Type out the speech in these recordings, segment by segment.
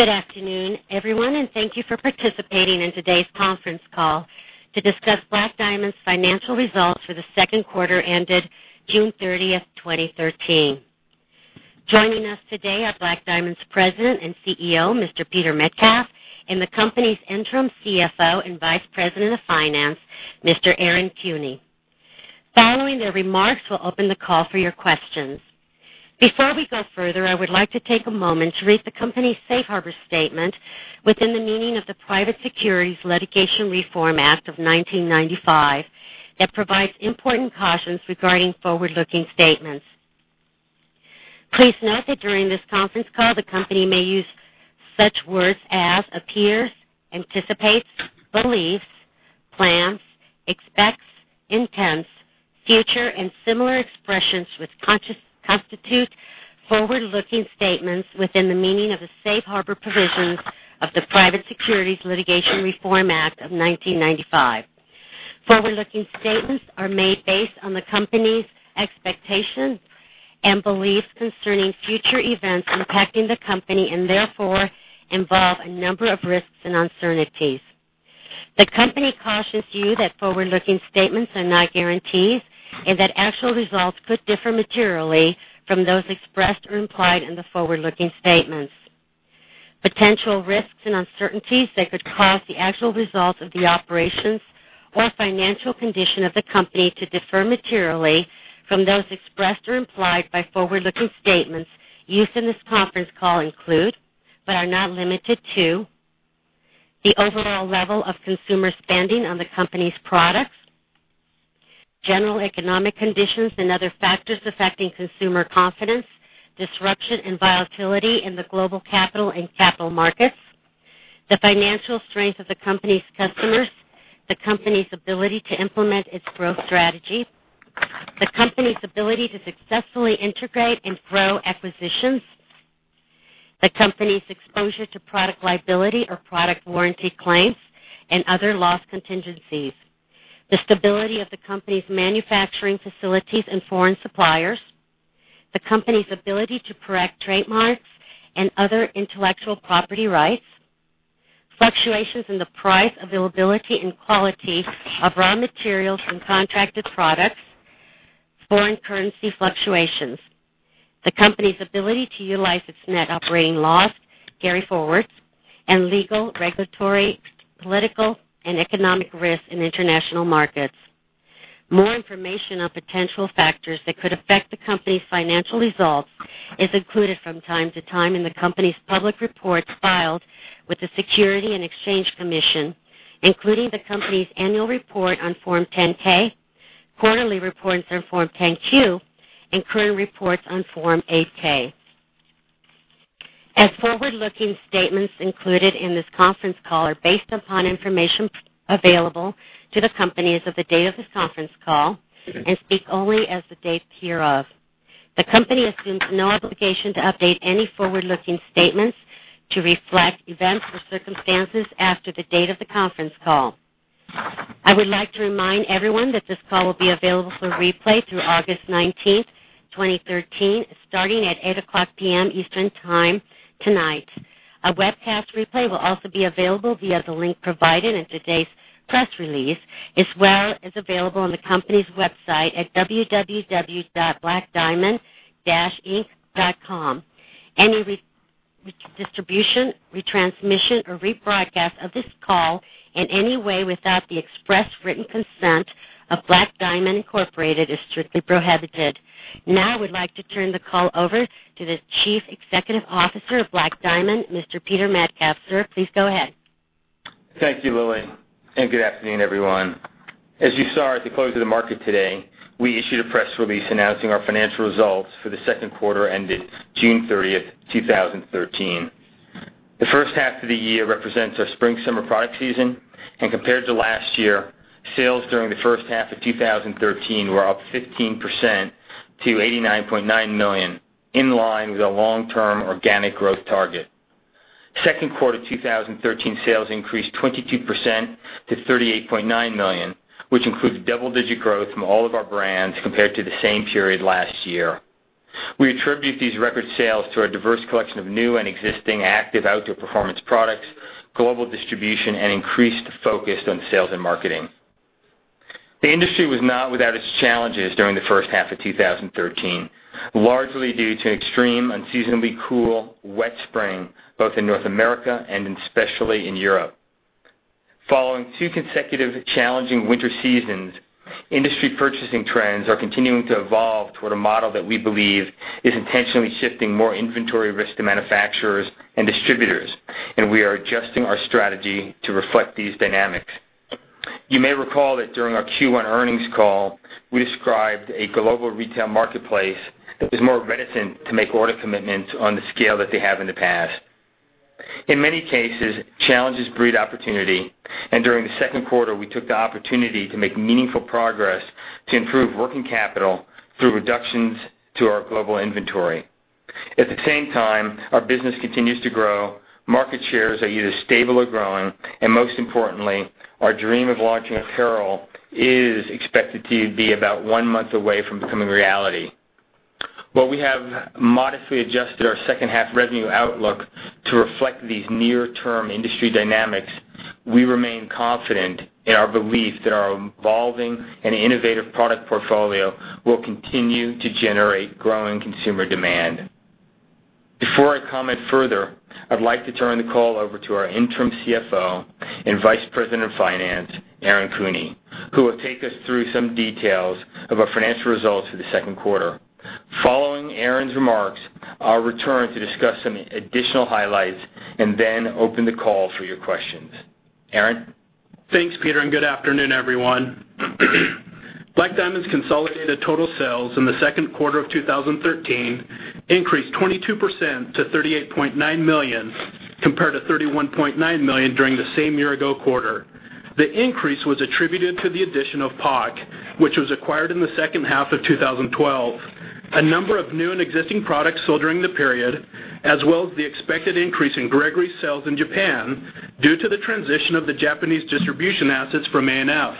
Good afternoon, everyone. Thank you for participating in today's conference call to discuss Black Diamond's financial results for the second quarter ended June 30th, 2013. Joining us today are Black Diamond's President and CEO, Mr. Peter Metcalf, and the company's Interim CFO and Vice President of Finance, Mr. Aaron Kuehne. Following their remarks, we'll open the call for your questions. Before we go further, I would like to take a moment to read the company's safe harbor statement within the meaning of the Private Securities Litigation Reform Act of 1995 that provides important cautions regarding forward-looking statements. Please note that during this conference call, the company may use such words as appears, anticipates, believes, plans, expects, intends, future, and similar expressions which constitute forward-looking statements within the meaning of the safe harbor provisions of the Private Securities Litigation Reform Act of 1995. Forward-looking statements are made based on the company's expectations and beliefs concerning future events impacting the company and therefore, involve a number of risks and uncertainties. The company cautions you that forward-looking statements are not guarantees and that actual results could differ materially from those expressed or implied in the forward-looking statements. Potential risks and uncertainties that could cause the actual results of the operations or financial condition of the company to differ materially from those expressed or implied by forward-looking statements used in this conference call include, but are not limited to, the overall level of consumer spending on the company's products, general economic conditions and other factors affecting consumer confidence, disruption and volatility in the global capital and capital markets, the financial strength of the company's customers, the company's ability to implement its growth strategy, the company's ability to successfully integrate and grow acquisitions, the company's exposure to product liability or product warranty claims, and other loss contingencies. The stability of the company's manufacturing facilities and foreign suppliers, the company's ability to correct trademarks and other intellectual property rights, fluctuations in the price, availability, and quality of raw materials and contracted products, foreign currency fluctuations, the company's ability to utilize its net operating loss carryforwards, and legal, regulatory, political, and economic risks in international markets. More information on potential factors that could affect the company's financial results is included from time to time in the company's public reports filed with the Securities and Exchange Commission, including the company's annual report on Form 10-K, quarterly reports on Form 10-Q, and current reports on Form 8-K. Forward-looking statements included in this conference call are based upon information available to the company as of the date of this conference call and speak only as of the date hereof. The company assumes no obligation to update any forward-looking statements to reflect events or circumstances after the date of the conference call. I would like to remind everyone that this call will be available for replay through August 19th, 2013, starting at 8:00 P.M. Eastern Time tonight. A webcast replay will also be available via the link provided in today's press release, as well as available on the company's website at www.blackdiamond-inc.com. Any distribution, retransmission, or rebroadcast of this call in any way without the express written consent of Black Diamond, Inc. is strictly prohibited. I would like to turn the call over to the Chief Executive Officer of Black Diamond, Mr. Peter Metcalf. Sir, please go ahead. Thank you, Lily. Good afternoon, everyone. As you saw at the close of the market today, we issued a press release announcing our financial results for the second quarter ended June 30th, 2013. The first half of the year represents our spring/summer product season and compared to last year, sales during the first half of 2013 were up 15% to $89.9 million, in line with our long-term organic growth target. Second quarter 2013 sales increased 22% to $38.9 million, which includes double-digit growth from all of our brands compared to the same period last year. We attribute these record sales to our diverse collection of new and existing active outdoor performance products, global distribution, and increased focus on sales and marketing. The industry was not without its challenges during the first half of 2013, largely due to an extreme, unseasonably cool, wet spring, both in North America and especially in Europe. Following two consecutive challenging winter seasons, industry purchasing trends are continuing to evolve toward a model that we believe is intentionally shifting more inventory risk to manufacturers and distributors. We are adjusting our strategy to reflect these dynamics. You may recall that during our Q1 earnings call, we described a global retail marketplace that was more reticent to make order commitments on the scale that they have in the past. In many cases, challenges breed opportunity. During the second quarter, we took the opportunity to make meaningful progress to improve working capital through reductions to our global inventory. At the same time, our business continues to grow, market shares are either stable or growing. Most importantly, our dream of launching apparel is expected to be about one month away from becoming reality. While we have modestly adjusted our second half revenue outlook to reflect these near-term industry dynamics, we remain confident in our belief that our evolving and innovative product portfolio will continue to generate growing consumer demand. Before I comment further, I'd like to turn the call over to our interim CFO and Vice President of Finance, Aaron Kuehne, who will take us through some details of our financial results for the second quarter. Following Aaron's remarks, I'll return to discuss some additional highlights. Then open the call for your questions. Aaron? Thanks, Peter, good afternoon, everyone. Black Diamond's consolidated total sales in the second quarter of 2013 increased 22% to $38.9 million, compared to $31.9 million during the same year-ago quarter. The increase was attributed to the addition of POC, which was acquired in the second half of 2012, a number of new and existing products sold during the period, as well as the expected increase in Gregory's sales in Japan due to the transition of the Japanese distribution assets from ANF.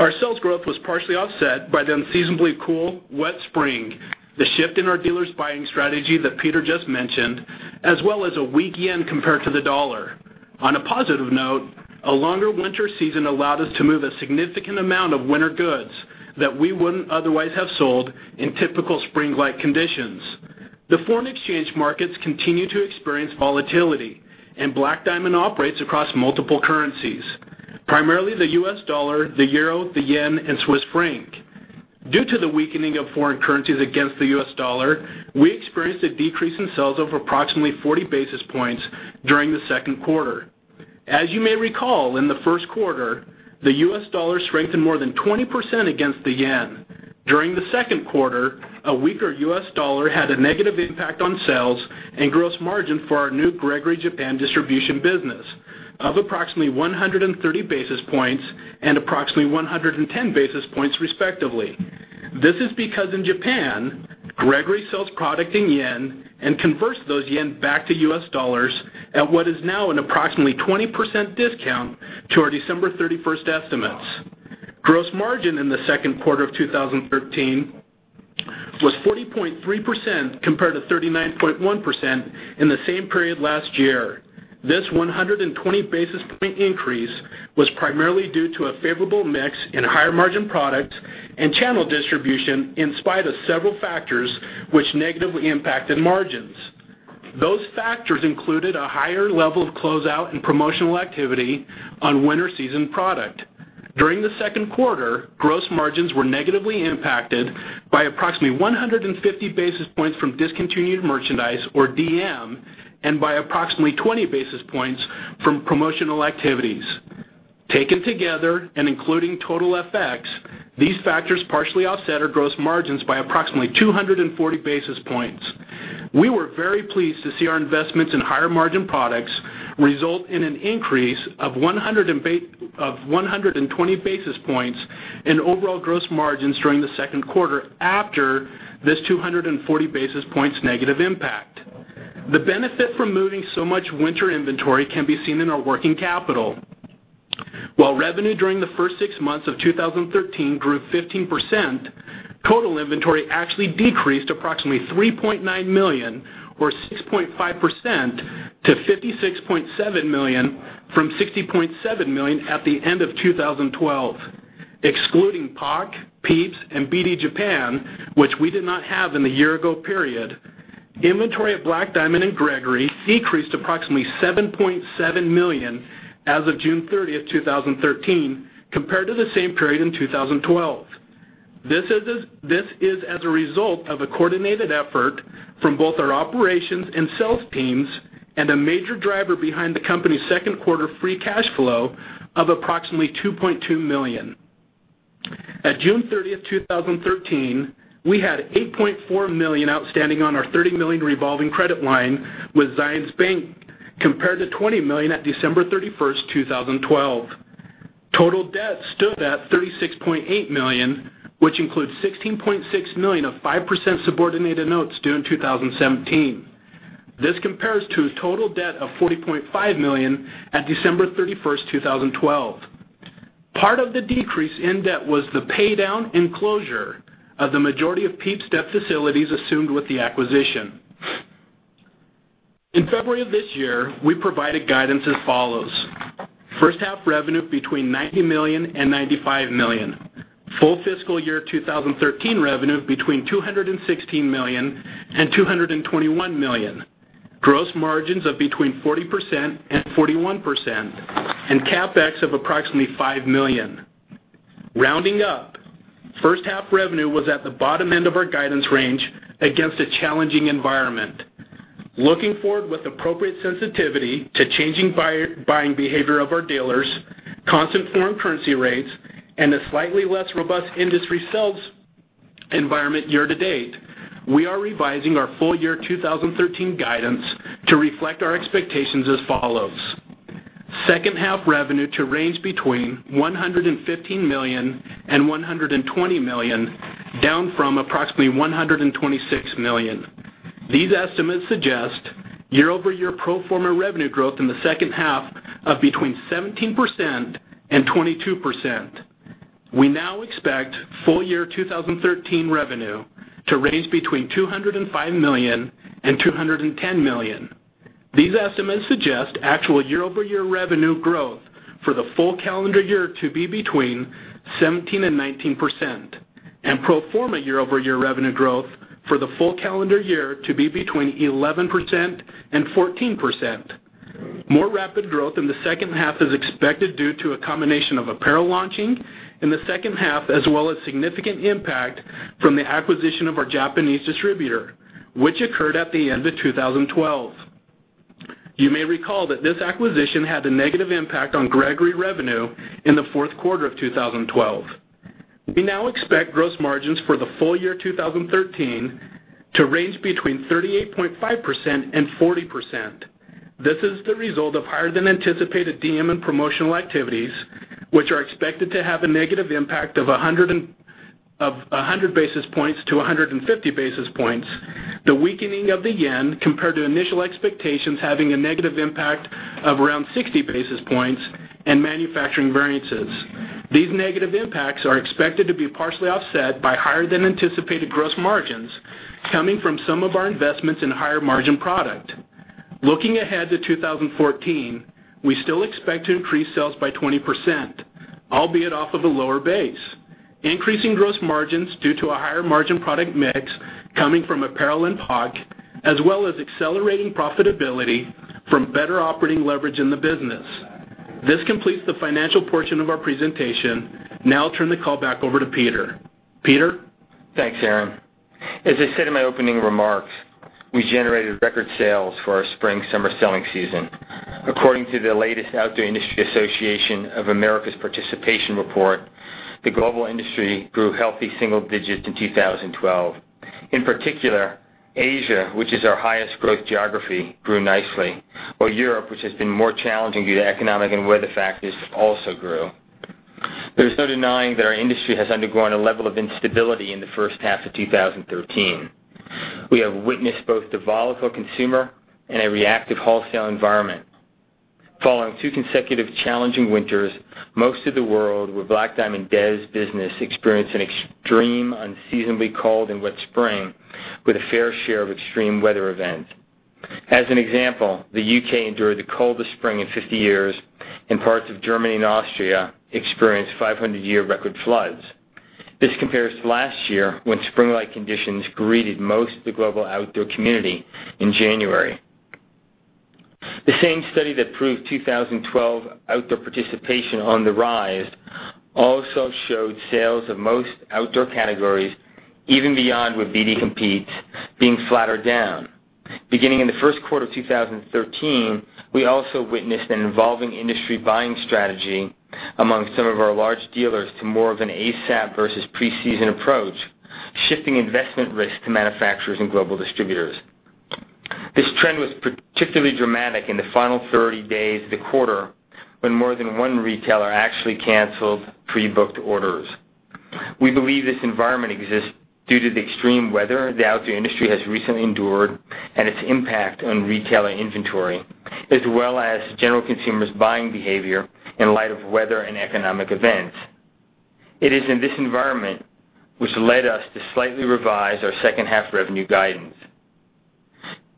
Our sales growth was partially offset by the unseasonably cool, wet spring, the shift in our dealers' buying strategy that Peter just mentioned, as well as a weak yen compared to the dollar. On a positive note, a longer winter season allowed us to move a significant amount of winter goods that we wouldn't otherwise have sold in typical spring-like conditions. The foreign exchange markets continue to experience volatility. Black Diamond operates across multiple currencies, primarily the US dollar, the euro, the yen, and Swiss franc. Due to the weakening of foreign currencies against the US dollar, we experienced a decrease in sales of approximately 40 basis points during the second quarter. As you may recall, in the first quarter, the US dollar strengthened more than 20% against the yen. During the second quarter, a weaker US dollar had a negative impact on sales and gross margin for our new Gregory Japan distribution business of approximately 130 basis points and approximately 110 basis points, respectively. This is because in Japan, Gregory sells product in yen and converts those yen back to US dollars at what is now an approximately 20% discount to our December 31st estimates. Gross margin in the second quarter of 2013 was 40.3%, compared to 39.1% in the same period last year. This 120 basis point increase was primarily due to a favorable mix in higher margin products and channel distribution in spite of several factors which negatively impacted margins. Those factors included a higher level of closeout and promotional activity on winter season product. During the second quarter, gross margins were negatively impacted by approximately 150 basis points from discontinued merchandise, or DM, and by approximately 20 basis points from promotional activities. Taken together and including total FX, these factors partially offset our gross margins by approximately 240 basis points. We were very pleased to see our investments in higher margin products result in an increase of 120 basis points in overall gross margins during the second quarter after this 240 basis points negative impact. The benefit from moving so much winter inventory can be seen in our working capital. While revenue during the first six months of 2013 grew 15%, total inventory actually decreased approximately $3.9 million or 6.5% to $56.7 million, from $60.7 million at the end of 2012. Excluding POC, PIEPS, and BD Japan, which we did not have in the year-ago period, inventory at Black Diamond and Gregory decreased approximately $7.7 million as of June 30th, 2013, compared to the same period in 2012. This is as a result of a coordinated effort from both our operations and sales teams and a major driver behind the company's second quarter free cash flow of approximately $2.2 million. At June 30th, 2013, we had $8.4 million outstanding on our $30 million revolving credit line with Zions Bank, compared to $20 million at December 31st, 2012. Total debt stood at $36.8 million, which includes $16.6 million of 5% subordinated notes due in 2017. This compares to total debt of $40.5 million at December 31st, 2012. Part of the decrease in debt was the paydown and closure of the majority of PIEPS debt facilities assumed with the acquisition. In February of this year, we provided guidance as follows. First half revenue between $90 million and $95 million. Full fiscal year 2013 revenue between $216 million and $221 million. Gross margins of between 40% and 41%, and CapEx of approximately $5 million. Rounding up, first half revenue was at the bottom end of our guidance range against a challenging environment. Looking forward with appropriate sensitivity to changing buying behavior of our dealers, constant foreign currency rates, and a slightly less robust industry sales environment year to date, we are revising our full year 2013 guidance to reflect our expectations as follows. Second half revenue to range between $115 million and $120 million, down from approximately $126 million. These estimates suggest year-over-year pro forma revenue growth in the second half of between 17% and 22%. We now expect full year 2013 revenue to range between $205 million and $210 million. These estimates suggest actual year-over-year revenue growth for the full calendar year to be between 17% and 19%, and pro forma year-over-year revenue growth for the full calendar year to be between 11% and 14%. More rapid growth in the second half is expected due to a combination of apparel launching in the second half, as well as significant impact from the acquisition of our Japanese distributor, which occurred at the end of 2012. You may recall that this acquisition had a negative impact on Gregory revenue in the fourth quarter of 2012. We now expect gross margins for the full year 2013 to range between 38.5% and 40%. This is the result of higher-than-anticipated DM and promotional activities, which are expected to have a negative impact of 100 basis points to 150 basis points, the weakening of the yen compared to initial expectations having a negative impact of around 60 basis points, and manufacturing variances. These negative impacts are expected to be partially offset by higher-than-anticipated gross margins coming from some of our investments in higher-margin product. Looking ahead to 2014, we still expect to increase sales by 20%, albeit off of a lower base. Increasing gross margins due to a higher margin product mix coming from apparel and POC, as well as accelerating profitability from better operating leverage in the business. This completes the financial portion of our presentation. Now I'll turn the call back over to Peter. Peter? Thanks, Aaron. As I said in my opening remarks, we generated record sales for our spring/summer selling season. According to the latest Outdoor Industry Association's participation report, the global industry grew healthy single digits in 2012. In particular, Asia, which is our highest growth geography, grew nicely, while Europe, which has been more challenging due to economic and weather factors, also grew. There's no denying that our industry has undergone a level of instability in the first half of 2013. We have witnessed both the volatile consumer and a reactive wholesale environment. Following two consecutive challenging winters, most of the world with Black Diamond's business experienced an extreme unseasonably cold and wet spring with a fair share of extreme weather events. As an example, the U.K. endured the coldest spring in 50 years, and parts of Germany and Austria experienced 500-year record floods. This compares to last year, when spring-like conditions greeted most of the global outdoor community in January. The same study that proved 2012 outdoor participation on the rise also showed sales of most outdoor categories, even beyond where BD competes, being flat or down. Beginning in the first quarter of 2013, we also witnessed an evolving industry buying strategy among some of our large dealers to more of an ASAP versus pre-season approach, shifting investment risk to manufacturers and global distributors. This trend was particularly dramatic in the final 30 days of the quarter, when more than one retailer actually canceled pre-booked orders. We believe this environment exists due to the extreme weather the outdoor industry has recently endured and its impact on retailer inventory, as well as general consumers' buying behavior in light of weather and economic events. It is in this environment which led us to slightly revise our second half revenue guidance.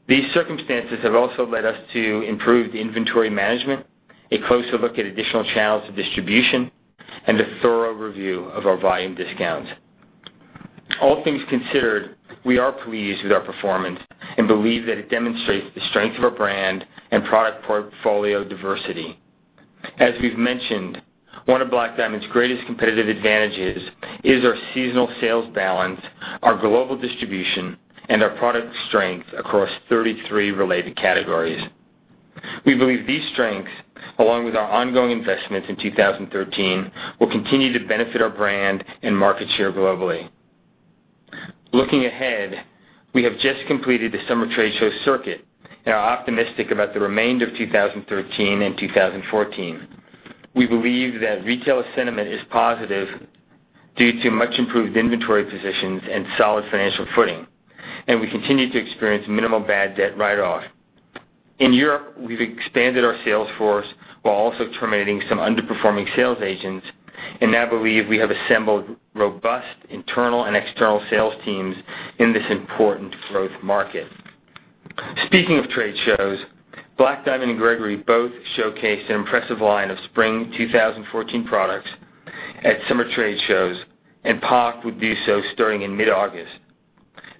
These circumstances have also led us to improve inventory management, a closer look at additional channels of distribution, and a thorough review of our volume discounts. All things considered, we are pleased with our performance and believe that it demonstrates the strength of our brand and product portfolio diversity. As we've mentioned, one of Black Diamond's greatest competitive advantages is our seasonal sales balance, our global distribution, and our product strength across 33 related categories. We believe these strengths, along with our ongoing investments in 2013, will continue to benefit our brand and market share globally. Looking ahead, we have just completed the summer trade show circuit and are optimistic about the remainder of 2013 and 2014. We believe that retail sentiment is positive due to much-improved inventory positions and solid financial footing, and we continue to experience minimal bad debt write-off. In Europe, we've expanded our sales force while also terminating some underperforming sales agents and now believe we have assembled robust internal and external sales teams in this important growth market. Speaking of trade shows, Black Diamond and Gregory both showcased an impressive line of spring 2014 products at summer trade shows, and POC will do so starting in mid-August.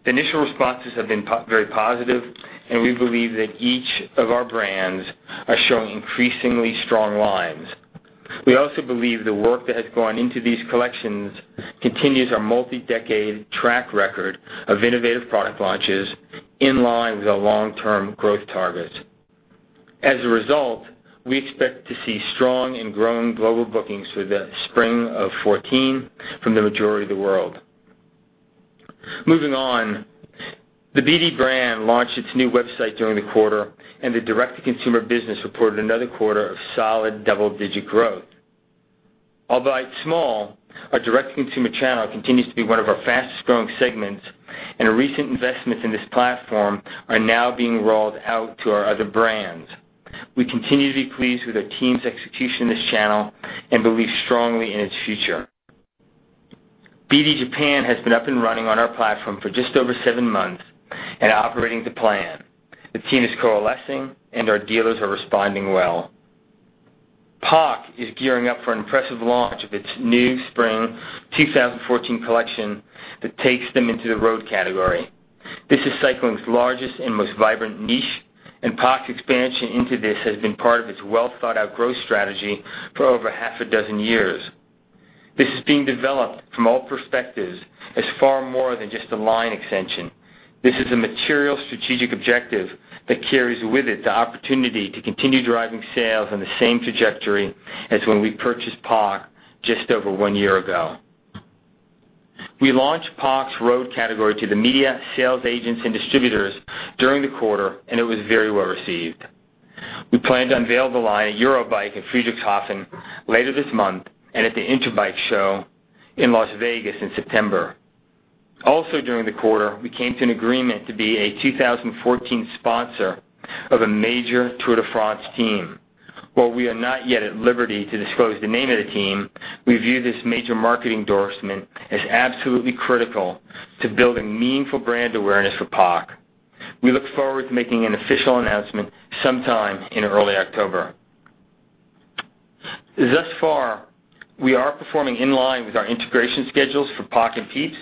The initial responses have been very positive, and we believe that each of our brands are showing increasingly strong lines. We also believe the work that has gone into these collections continues our multi-decade track record of innovative product launches in line with our long-term growth targets. As a result, we expect to see strong and growing global bookings for the spring of 2014 from the majority of the world. Moving on, the BD brand launched its new website during the quarter, and the direct-to-consumer business reported another quarter of solid double-digit growth. Although it's small, our direct-to-consumer channel continues to be one of our fastest-growing segments, and our recent investments in this platform are now being rolled out to our other brands. We continue to be pleased with our team's execution in this channel and believe strongly in its future. BD Japan has been up and running on our platform for just over seven months and operating to plan. The team is coalescing, and our dealers are responding well. POC is gearing up for an impressive launch of its new Spring 2014 collection that takes them into the road category. This is cycling's largest and most vibrant niche. POC's expansion into this has been part of its well-thought-out growth strategy for over half a dozen years. This is being developed from all perspectives as far more than just a line extension. This is a material strategic objective that carries with it the opportunity to continue driving sales on the same trajectory as when we purchased POC just over one year ago. We launched POC's road category to the media, sales agents, and distributors during the quarter, and it was very well received. We plan to unveil the line at Eurobike in Friedrichshafen later this month and at the Interbike Show in Las Vegas in September. During the quarter, we came to an agreement to be a 2014 sponsor of a major Tour de France team. While we are not yet at liberty to disclose the name of the team, we view this major market endorsement as absolutely critical to building meaningful brand awareness for POC. We look forward to making an official announcement sometime in early October. Thus far, we are performing in line with our integration schedules for POC and PIEPS.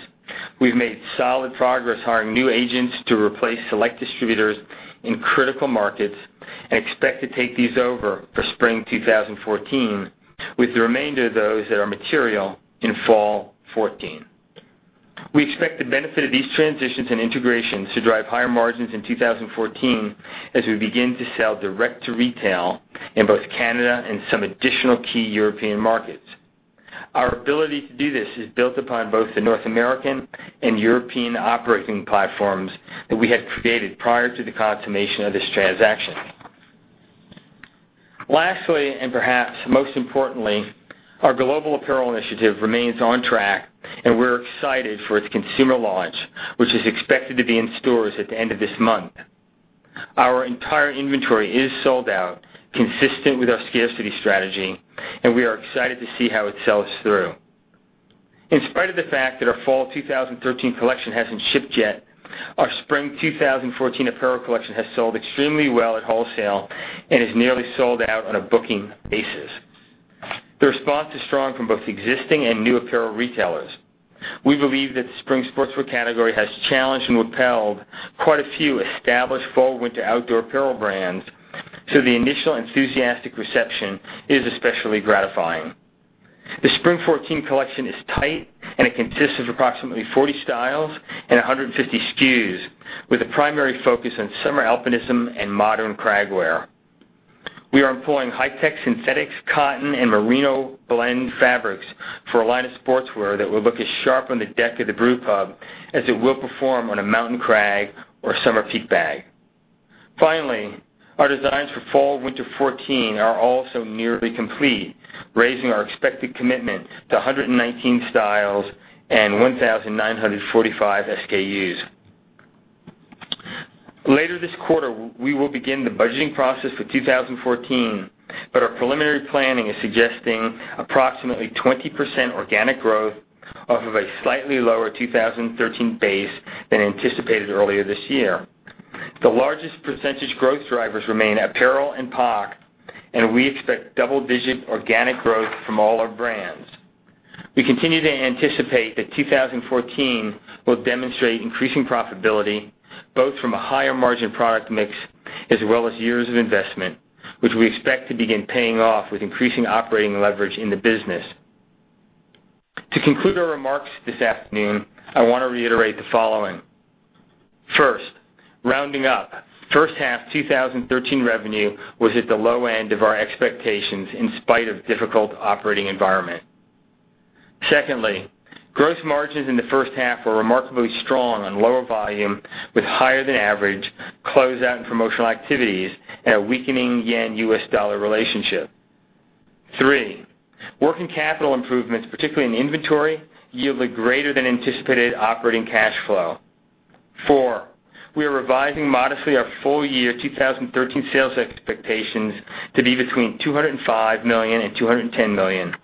We've made solid progress hiring new agents to replace select distributors in critical markets and expect to take these over for Spring 2014, with the remainder of those that are material in Fall 2014. We expect the benefit of these transitions and integrations to drive higher margins in 2014 as we begin to sell direct to retail in both Canada and some additional key European markets. Our ability to do this is built upon both the North American and European operating platforms that we had created prior to the consummation of this transaction. Lastly, perhaps most importantly, our global apparel initiative remains on track, and we're excited for its consumer launch, which is expected to be in stores at the end of this month. Our entire inventory is sold out, consistent with our scarcity strategy, and we are excited to see how it sells through. In spite of the fact that our Fall 2013 collection hasn't shipped yet, our Spring 2014 apparel collection has sold extremely well at wholesale and is nearly sold out on a booking basis. The response is strong from both existing and new apparel retailers. We believe that the spring sportswear category has challenged and repelled quite a few established fall/winter outdoor apparel brands, so the initial enthusiastic reception is especially gratifying. The Spring 2014 collection is tight, and it consists of approximately 40 styles and 150 SKUs, with a primary focus on summer alpinism and modern crag wear. We are employing high-tech synthetics, cotton, and merino blend fabrics for a line of sportswear that will look as sharp on the deck of the brew pub as it will perform on a mountain crag or summer peak bag. Finally, our designs for fall/winter 2014 are also nearly complete, raising our expected commitment to 119 styles and 1,945 SKUs. Later this quarter, we will begin the budgeting process for 2014, but our preliminary planning is suggesting approximately 20% organic growth off of a slightly lower 2013 base than anticipated earlier this year. The largest percentage growth drivers remain apparel and POC, and we expect double-digit organic growth from all our brands. We continue to anticipate that 2014 will demonstrate increasing profitability both from a higher margin product mix as well as years of investment, which we expect to begin paying off with increasing operating leverage in the business. To conclude our remarks this afternoon, I want to reiterate the following. First, rounding up first half 2013 revenue was at the low end of our expectations in spite of difficult operating environment. Secondly, gross margins in the first half were remarkably strong on lower volume with higher-than-average closeout and promotional activities and a weakening JPY-US dollar relationship. Three, working capital improvements, particularly in inventory, yielded greater than anticipated operating cash flow. Four, we are revising modestly our full year 2013 sales expectations to be between $205 million and $210 million.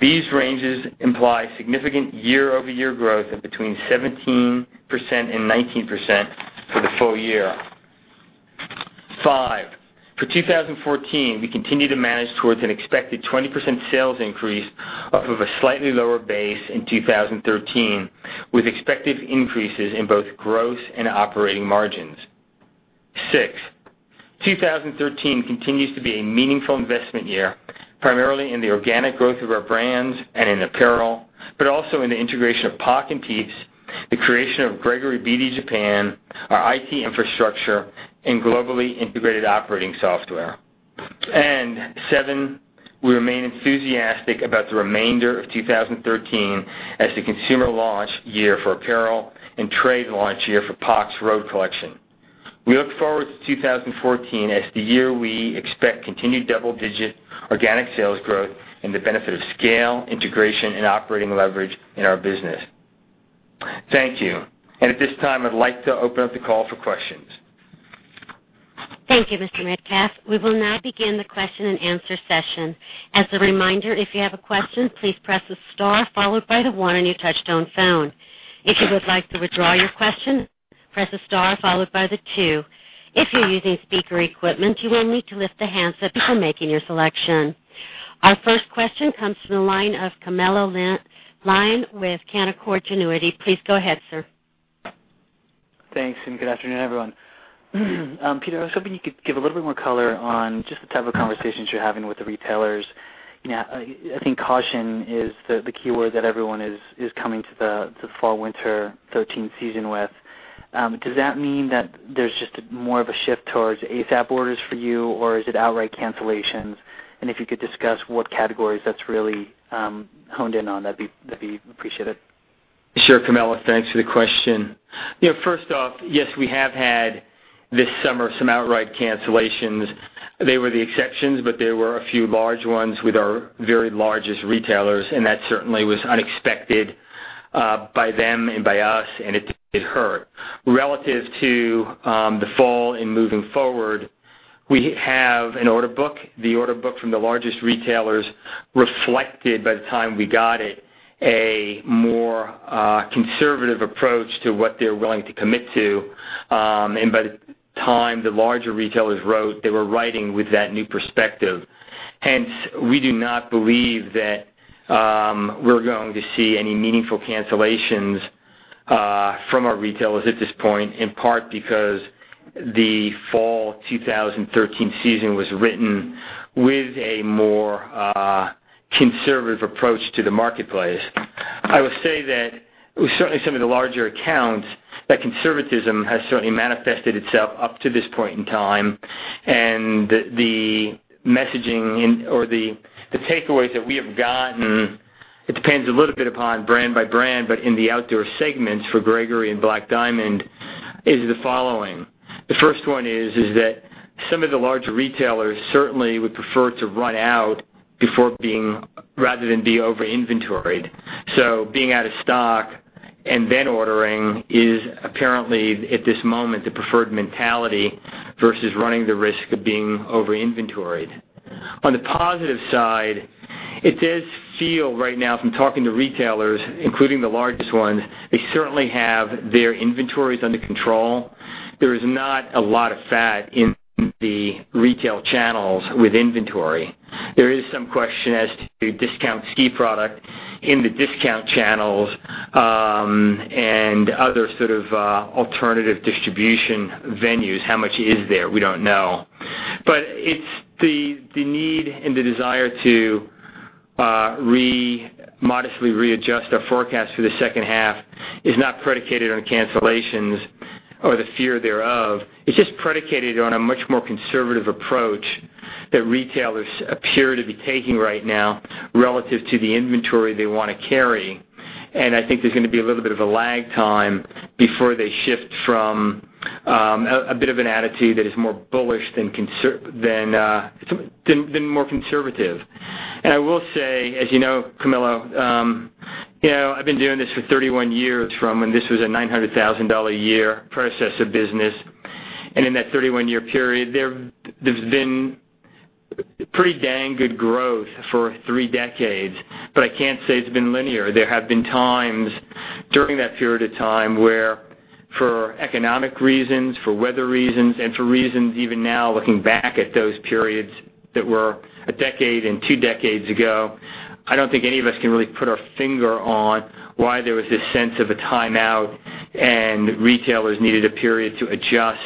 These ranges imply significant year-over-year growth of between 17% and 19% for the full year. Five, for 2014, we continue to manage towards an expected 20% sales increase off of a slightly lower base in 2013, with expected increases in both gross and operating margins. Six, 2013 continues to be a meaningful investment year, primarily in the organic growth of our brands and in apparel, but also in the integration of POC and PIEPS, the creation of Gregory BD Japan, our IT infrastructure, and globally integrated operating software. Seven, we remain enthusiastic about the remainder of 2013 as the consumer launch year for apparel and trade launch year for POC's road collection. We look forward to 2014 as the year we expect continued double-digit organic sales growth and the benefit of scale, integration, and operating leverage in our business. Thank you. At this time, I'd like to open up the call for questions. Thank you, Mr. Metcalf. We will now begin the question and answer session. As a reminder, if you have a question, please press the star followed by the one on your touch-tone phone. If you would like to withdraw your question, press the star followed by the two. If you're using speaker equipment, you will need to lift the handset before making your selection. Our first question comes from the line of Camilo Lyon with Canaccord Genuity. Please go ahead, sir. Thanks, good afternoon, everyone. Peter, I was hoping you could give a little bit more color on just the type of conversations you're having with the retailers. I think caution is the keyword that everyone is coming to the fall/winter 2013 season with. Does that mean that there's just more of a shift towards ASAP orders for you, or is it outright cancellations? If you could discuss what categories that's really honed in on, that'd be appreciated. Sure, Camilo. Thanks for the question. First off, yes, we have had this summer some outright cancellations. They were the exceptions, but there were a few large ones with our very largest retailers. That certainly was unexpected by them and by us, it hurt. Relative to the fall and moving forward, we have an order book. The order book from the largest retailers reflected, by the time we got it, a more conservative approach to what they're willing to commit to. By the time the larger retailers wrote, they were writing with that new perspective. Hence, we do not believe that we're going to see any meaningful cancellations from our retailers at this point, in part because the fall 2013 season was written with a more conservative approach to the marketplace. I would say that with certainly some of the larger accounts, that conservatism has certainly manifested itself up to this point in time. The messaging or the takeaways that we have gotten, it depends a little bit upon brand by brand, but in the outdoor segments for Gregory and Black Diamond, is the following. The first one is that some of the larger retailers certainly would prefer to run out rather than be over-inventoried. Being out of stock and then ordering is apparently, at this moment, the preferred mentality versus running the risk of being over-inventoried. On the positive side, it does feel right now from talking to retailers, including the largest ones, they certainly have their inventories under control. There is not a lot of fat in the retail channels with inventory. There is some question as to discount ski product in the discount channels, other sort of alternative distribution venues. How much is there? We don't know. It's the need and the desire to modestly readjust our forecast for the second half is not predicated on cancellations or the fear thereof. It's just predicated on a much more conservative approach that retailers appear to be taking right now relative to the inventory they want to carry. I think there's going to be a little bit of a lag time before they shift from a bit of an attitude that is more bullish than more conservative. I will say, as you know, Camilo, I've been doing this for 31 years, from when this was a $900,000 a year process of business. In that 31-year period, there's been pretty dang good growth for three decades. I can't say it's been linear. There have been times during that period of time where for economic reasons, for weather reasons, and for reasons even now, looking back at those periods that were a decade and two decades ago, I don't think any of us can really put our finger on why there was this sense of a timeout and retailers needed a period to adjust,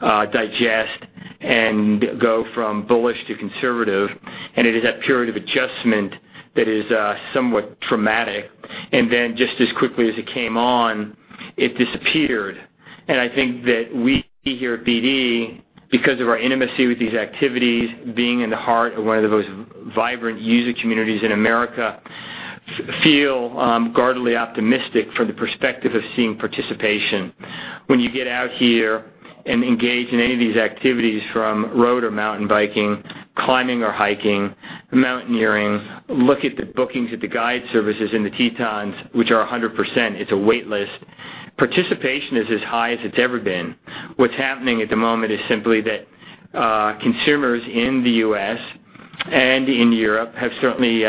digest, and go from bullish to conservative. It is that period of adjustment that is somewhat traumatic. Just as quickly as it came on, it disappeared. I think that we here at BD, because of our intimacy with these activities, being in the heart of one of the most vibrant user communities in America, feel guardily optimistic from the perspective of seeing participation. When you get out here and engage in any of these activities, from road or mountain biking, climbing or hiking, mountaineering, look at the bookings at the guide services in the Tetons, which are 100%, it's a wait list. Participation is as high as it's ever been. What's happening at the moment is simply that consumers in the U.S. and in Europe have certainly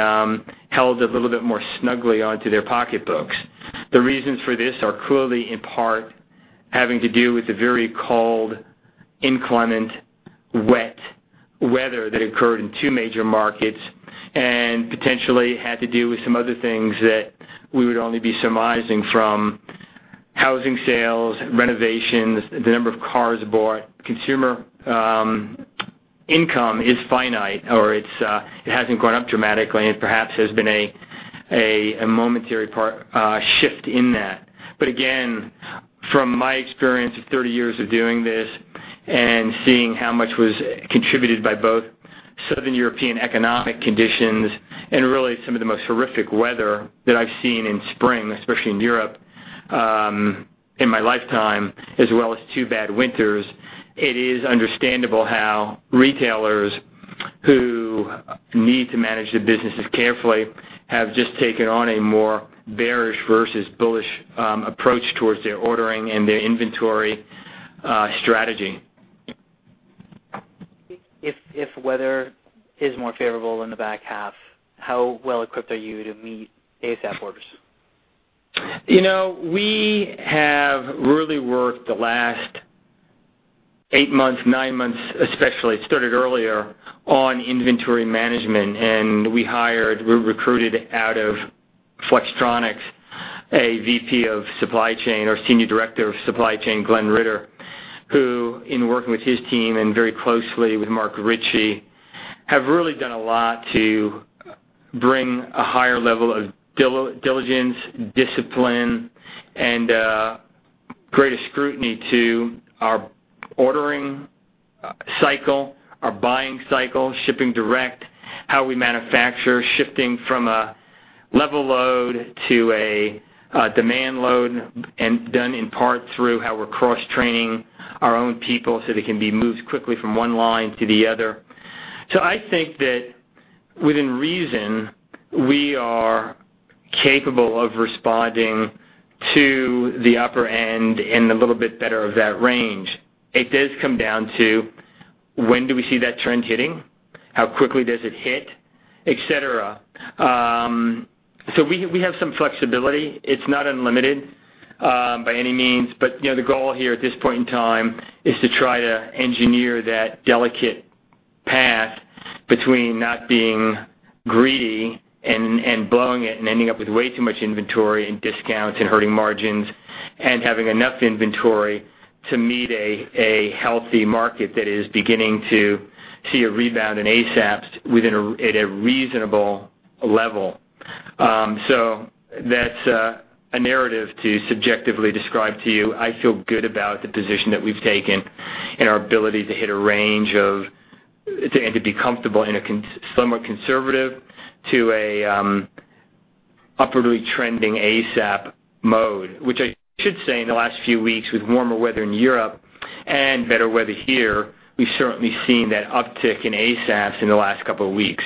held a little bit more snugly onto their pocketbooks. The reasons for this are clearly in part having to do with the very cold, inclement, wet weather that occurred in two major markets, and potentially had to do with some other things that we would only be surmising from housing sales, renovations, the number of cars bought. Consumer income is finite, or it hasn't gone up dramatically. It perhaps has been a momentary shift in that. Again, from my experience of 30 years of doing this and seeing how much was contributed by Southern European economic conditions, and really some of the most horrific weather that I've seen in spring, especially in Europe, in my lifetime, as well as two bad winters. It is understandable how retailers who need to manage their businesses carefully have just taken on a more bearish versus bullish approach towards their ordering and their inventory strategy. If weather is more favorable in the back half, how well equipped are you to meet ASAP orders? We have really worked the last eight months, nine months especially, started earlier, on inventory management, and we hired, we recruited out of Flextronics, a VP of supply chain or senior director of supply chain, Glenn Ritter, who in working with his team and very closely with Mark Ritchie, have really done a lot to bring a higher level of diligence, discipline, and greater scrutiny to our ordering cycle, our buying cycle, shipping direct, how we manufacture, shifting from a level load to a demand load and done in part through how we're cross-training our own people so they can be moved quickly from one line to the other. I think that within reason, we are capable of responding to the upper end and a little bit better of that range. It does come down to when do we see that trend hitting, how quickly does it hit, et cetera. We have some flexibility. It's not unlimited by any means, but the goal here at this point in time is to try to engineer that delicate path between not being greedy and blowing it and ending up with way too much inventory and discounts and hurting margins, and having enough inventory to meet a healthy market that is beginning to see a rebound in ASAPs at a reasonable level. That's a narrative to subjectively describe to you. I feel good about the position that we've taken and our ability to hit a range and to be comfortable in a somewhat conservative to an upwardly trending ASAP mode. Which I should say in the last few weeks with warmer weather in Europe and better weather here, we've certainly seen that uptick in ASAPs in the last couple of weeks.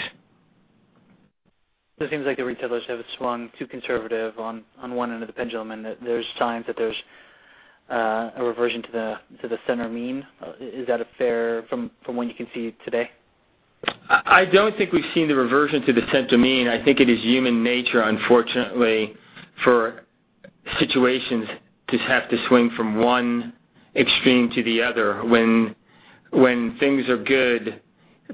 It seems like the retailers have swung too conservative on one end of the pendulum, and that there's signs that there's a reversion to the center mean. Is that fair from what you can see today? I don't think we've seen the reversion to the center mean. I think it is human nature, unfortunately, for situations to have to swing from one extreme to the other. When things are good,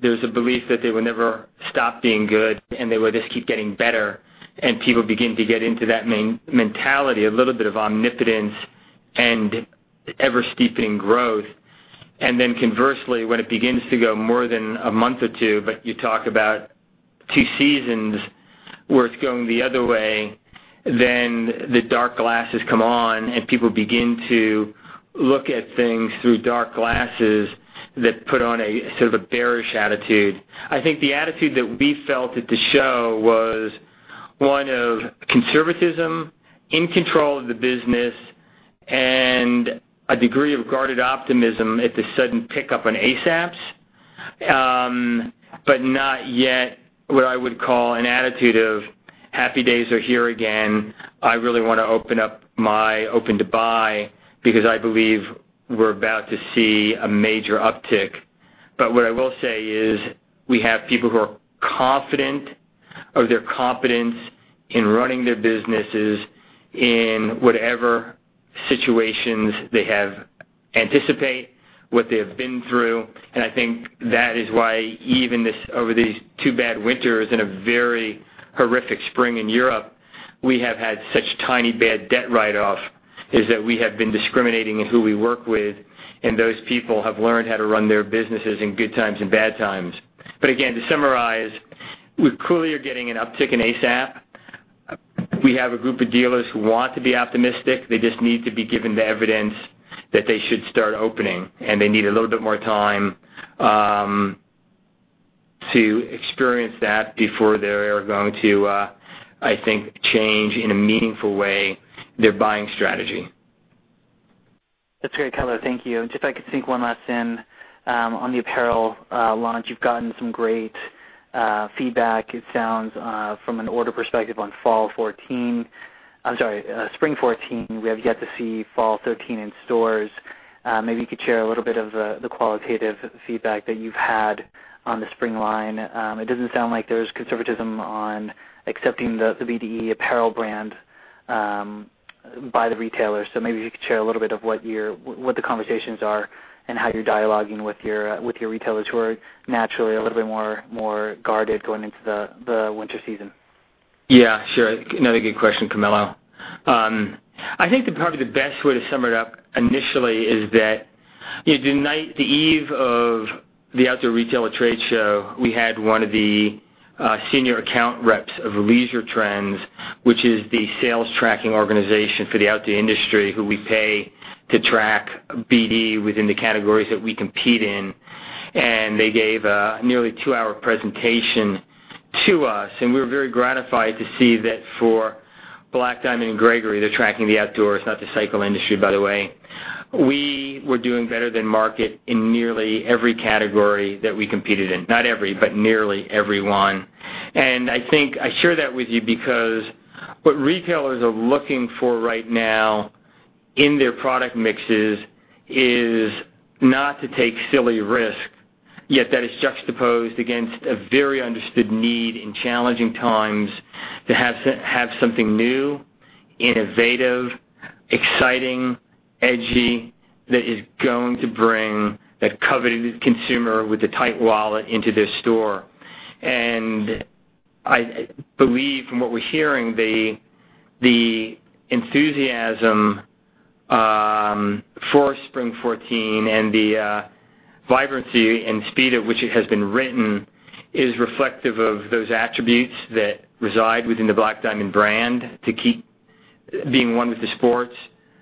there's a belief that they will never stop being good, and they will just keep getting better, and people begin to get into that mentality, a little bit of omnipotence and ever-steepening growth. Conversely, when it begins to go more than a month or two, but you talk about two seasons where it's going the other way, then the dark glasses come on and people begin to look at things through dark glasses that put on a sort of a bearish attitude. I think the attitude that we felt at the show was one of conservatism, in control of the business, and a degree of guarded optimism at the sudden pickup on ASAPs. Not yet what I would call an attitude of happy days are here again. I really want to open up my open to buy because I believe we're about to see a major uptick. What I will say is we have people who are confident of their competence in running their businesses in whatever situations they have anticipate, what they have been through. I think that is why even over these two bad winters and a very horrific spring in Europe, we have had such tiny bad debt write-off is that we have been discriminating in who we work with, and those people have learned how to run their businesses in good times and bad times. Again, to summarize, we clearly are getting an uptick in ASAP. We have a group of dealers who want to be optimistic. They just need to be given the evidence that they should start opening, and they need a little bit more time to experience that before they're going to, I think, change in a meaningful way their buying strategy. That's great, Peter. Thank you. Just if I could sneak one last in. On the apparel launch, you've gotten some great feedback, it sounds from an order perspective on fall 2014. I'm sorry, spring 2014. We have yet to see fall 2013 in stores. Maybe you could share a little bit of the qualitative feedback that you've had on the spring line. It doesn't sound like there's conservatism on accepting the BD apparel brand by the retailers. Maybe you could share a little bit of what the conversations are and how you're dialoguing with your retailers who are naturally a little bit more guarded going into the winter season. Sure. Another good question, Camilo. I think that probably the best way to sum it up initially is that the eve of the Outdoor Retailer trade show, we had one of the Senior account reps of Leisure Trends, which is the sales tracking organization for the outdoor industry, who we pay to track BD within the categories that we compete in. They gave a nearly two-hour presentation to us, and we were very gratified to see that for Black Diamond and Gregory, they're tracking the outdoors, not the cycle industry, by the way. We were doing better than market in nearly every category that we competed in. Not every, but nearly every one. I think I share that with you because what retailers are looking for right now in their product mixes is not to take silly risks, yet that is juxtaposed against a very understood need in challenging times to have something new, innovative, exciting, edgy, that is going to bring that coveted consumer with a tight wallet into their store. I believe from what we're hearing, the enthusiasm for spring 2014 and the vibrancy and speed at which it has been written is reflective of those attributes that reside within the Black Diamond brand to keep being one with the sports,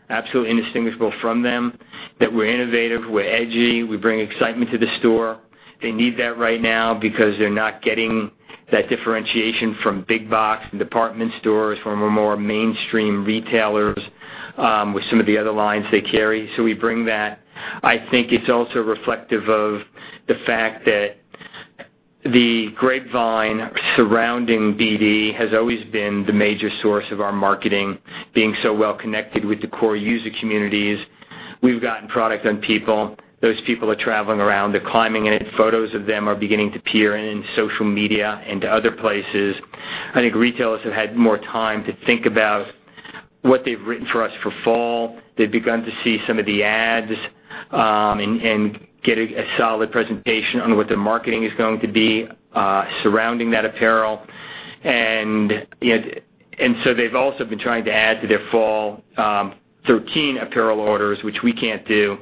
absolutely indistinguishable from them, that we're innovative, we're edgy, we bring excitement to the store. They need that right now because they're not getting that differentiation from big box and department stores, from our more mainstream retailers, with some of the other lines they carry. We bring that. I think it's also reflective of the fact that the grapevine surrounding BD has always been the major source of our marketing, being so well connected with the core user communities. We've gotten product on people. Those people are traveling around, they're climbing in it. Photos of them are beginning to appear in social media and other places. I think retailers have had more time to think about what they've written for us for fall. They've begun to see some of the ads, and get a solid presentation on what their marketing is going to be surrounding that apparel. They've also been trying to add to their fall 2013 apparel orders, which we can't do.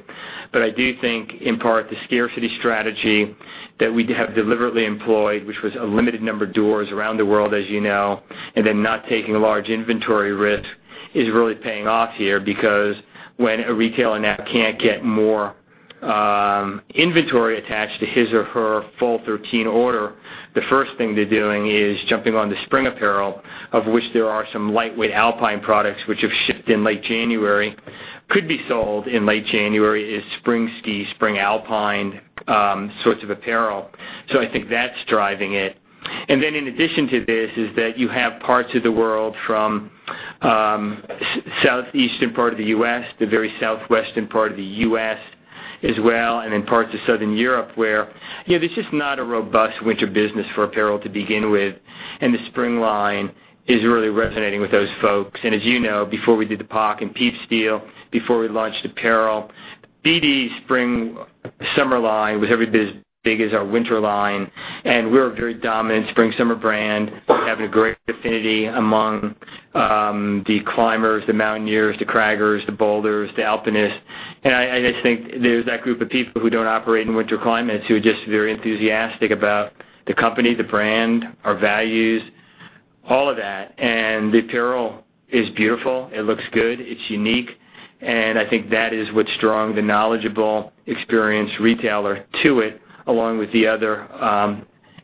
I do think in part, the scarcity strategy that we have deliberately employed, which was a limited number of doors around the world, as you know, and then not taking a large inventory risk, is really paying off here. Because when a retailer now can't get more inventory attached to his or her fall 2013 order, the first thing they're doing is jumping on the spring apparel, of which there are some lightweight Alpine products, which have shipped in late January, could be sold in late January as spring ski, spring Alpine sorts of apparel. I think that's driving it. Then in addition to this, is that you have parts of the world from southeastern part of the U.S., the very southwestern part of the U.S. as well, and in parts of Southern Europe, where it's just not a robust winter business for apparel to begin with. The spring line is really resonating with those folks. As you know, before we did the POC and PIEPS deal, before we launched apparel, BD spring, summer line was every bit as big as our winter line, and we're a very dominant spring, summer brand, having a great affinity among the climbers, the mountaineers, the craggers, the boulders, the alpinists. I just think there's that group of people who don't operate in winter climates who are just very enthusiastic about the company, the brand, our values, all of that. The apparel is beautiful. It looks good, it's unique, and I think that is what's drawn the knowledgeable, experienced retailer to it, along with the other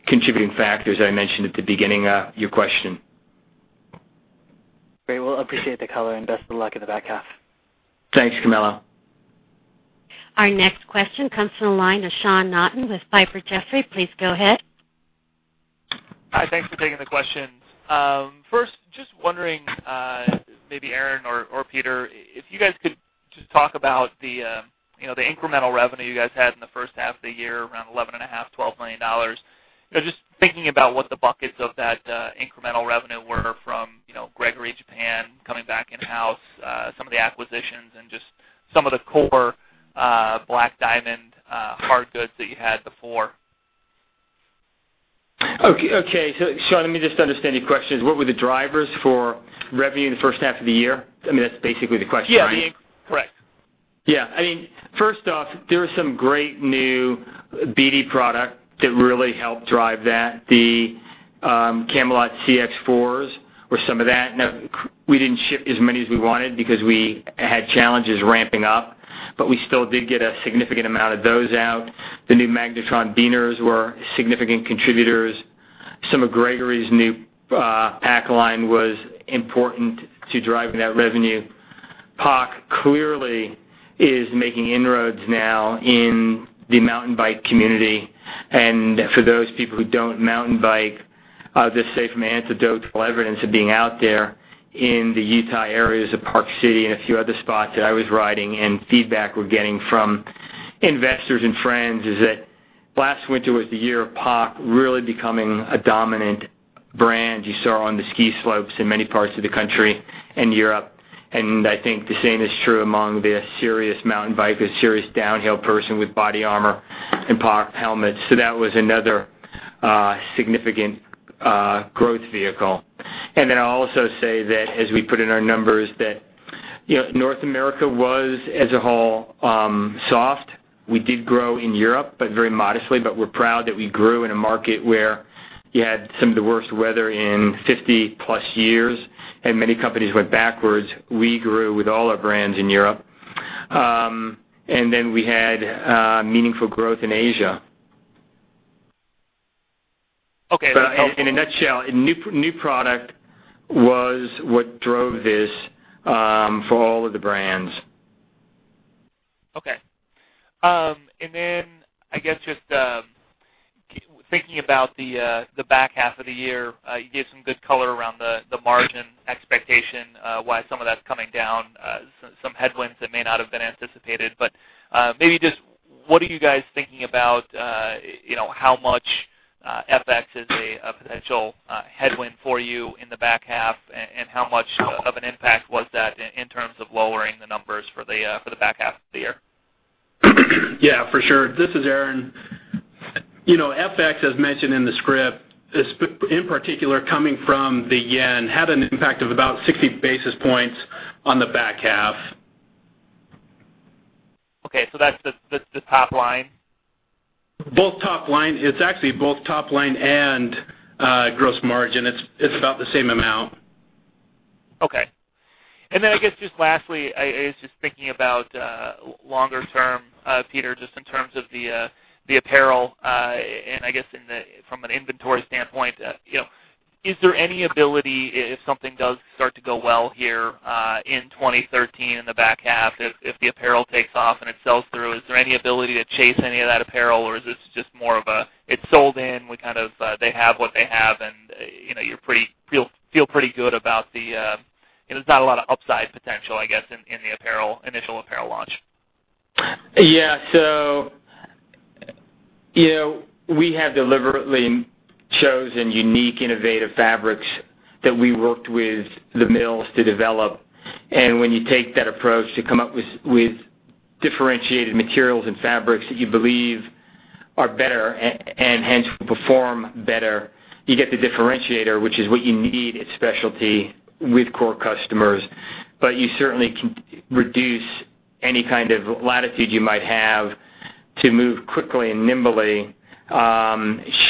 contributing factors that I mentioned at the beginning of your question. Great. Well, appreciate the color and best of luck in the back half. Thanks, Camilo. Our next question comes from the line of Sean Naughton with Piper Jaffray. Please go ahead. Hi. Thanks for taking the questions. First, just wondering, maybe Aaron or Peter, if you guys could just talk about the incremental revenue you guys had in the first half of the year, around $11.5 million, $12 million. Just thinking about what the buckets of that incremental revenue were from Gregory Japan coming back in-house, some of the acquisitions, and just some of the core Black Diamond hard goods that you had before. Okay. Sean, let me just understand your question. Is what were the drivers for revenue in the first half of the year? I mean, that's basically the question, right? Yeah. Correct. Yeah. I mean, first off, there are some great new BD product that really helped drive that. The Camalot C4s were some of that. We didn't ship as many as we wanted because we had challenges ramping up, but we still did get a significant amount of those out. The new Magnetron carabiners were significant contributors. Some of Gregory's new pack line was important to driving that revenue. POC clearly is making inroads now in the mountain bike community. For those people who don't mountain bike, I'll just say from anecdotal evidence of being out there in the Utah areas of Park City and a few other spots that I was riding, and feedback we're getting from investors and friends, is that last winter was the year of POC really becoming a dominant brand you saw on the ski slopes in many parts of the country and Europe. I think the same is true among the serious mountain biker, serious downhill person with body armor and POC helmets. That was another significant growth vehicle. I'll also say that as we put in our numbers, that North America was, as a whole, soft. We did grow in Europe, but very modestly. We're proud that we grew in a market where you had some of the worst weather in 50 plus years, and many companies went backwards. We grew with all our brands in Europe. We had meaningful growth in Asia. Okay. In a nutshell, new product was what drove this for all of the brands. Okay. Just thinking about the back half of the year, you gave some good color around the margin expectation, why some of that's coming down, some headwinds that may not have been anticipated. Maybe just what are you guys thinking about how much FX is a potential headwind for you in the back half, and how much of an impact was that in terms of lowering the numbers for the back half of the year? Yeah, for sure. This is Aaron. FX, as mentioned in the script, in particular coming from the yen, had an impact of about 60 basis points on the back half. Okay. That's the top line? Both top line. It's actually both top line and gross margin. It's about the same amount. Okay. I guess just lastly, I was just thinking about longer term, Peter, just in terms of the apparel, and I guess from an inventory standpoint. Is there any ability, if something does start to go well here in 2013, in the back half, if the apparel takes off and it sells through, is there any ability to chase any of that apparel, or is this just more of a it's sold in, they have what they have, and you feel pretty good about. There's not a lot of upside potential, I guess, in the initial apparel launch. Yeah. We have deliberately chosen unique, innovative fabrics that we worked with the mills to develop. When you take that approach to come up with differentiated materials and fabrics that you believe are better and hence will perform better, you get the differentiator, which is what you need at specialty with core customers. You certainly can reduce any kind of latitude you might have to move quickly and nimbly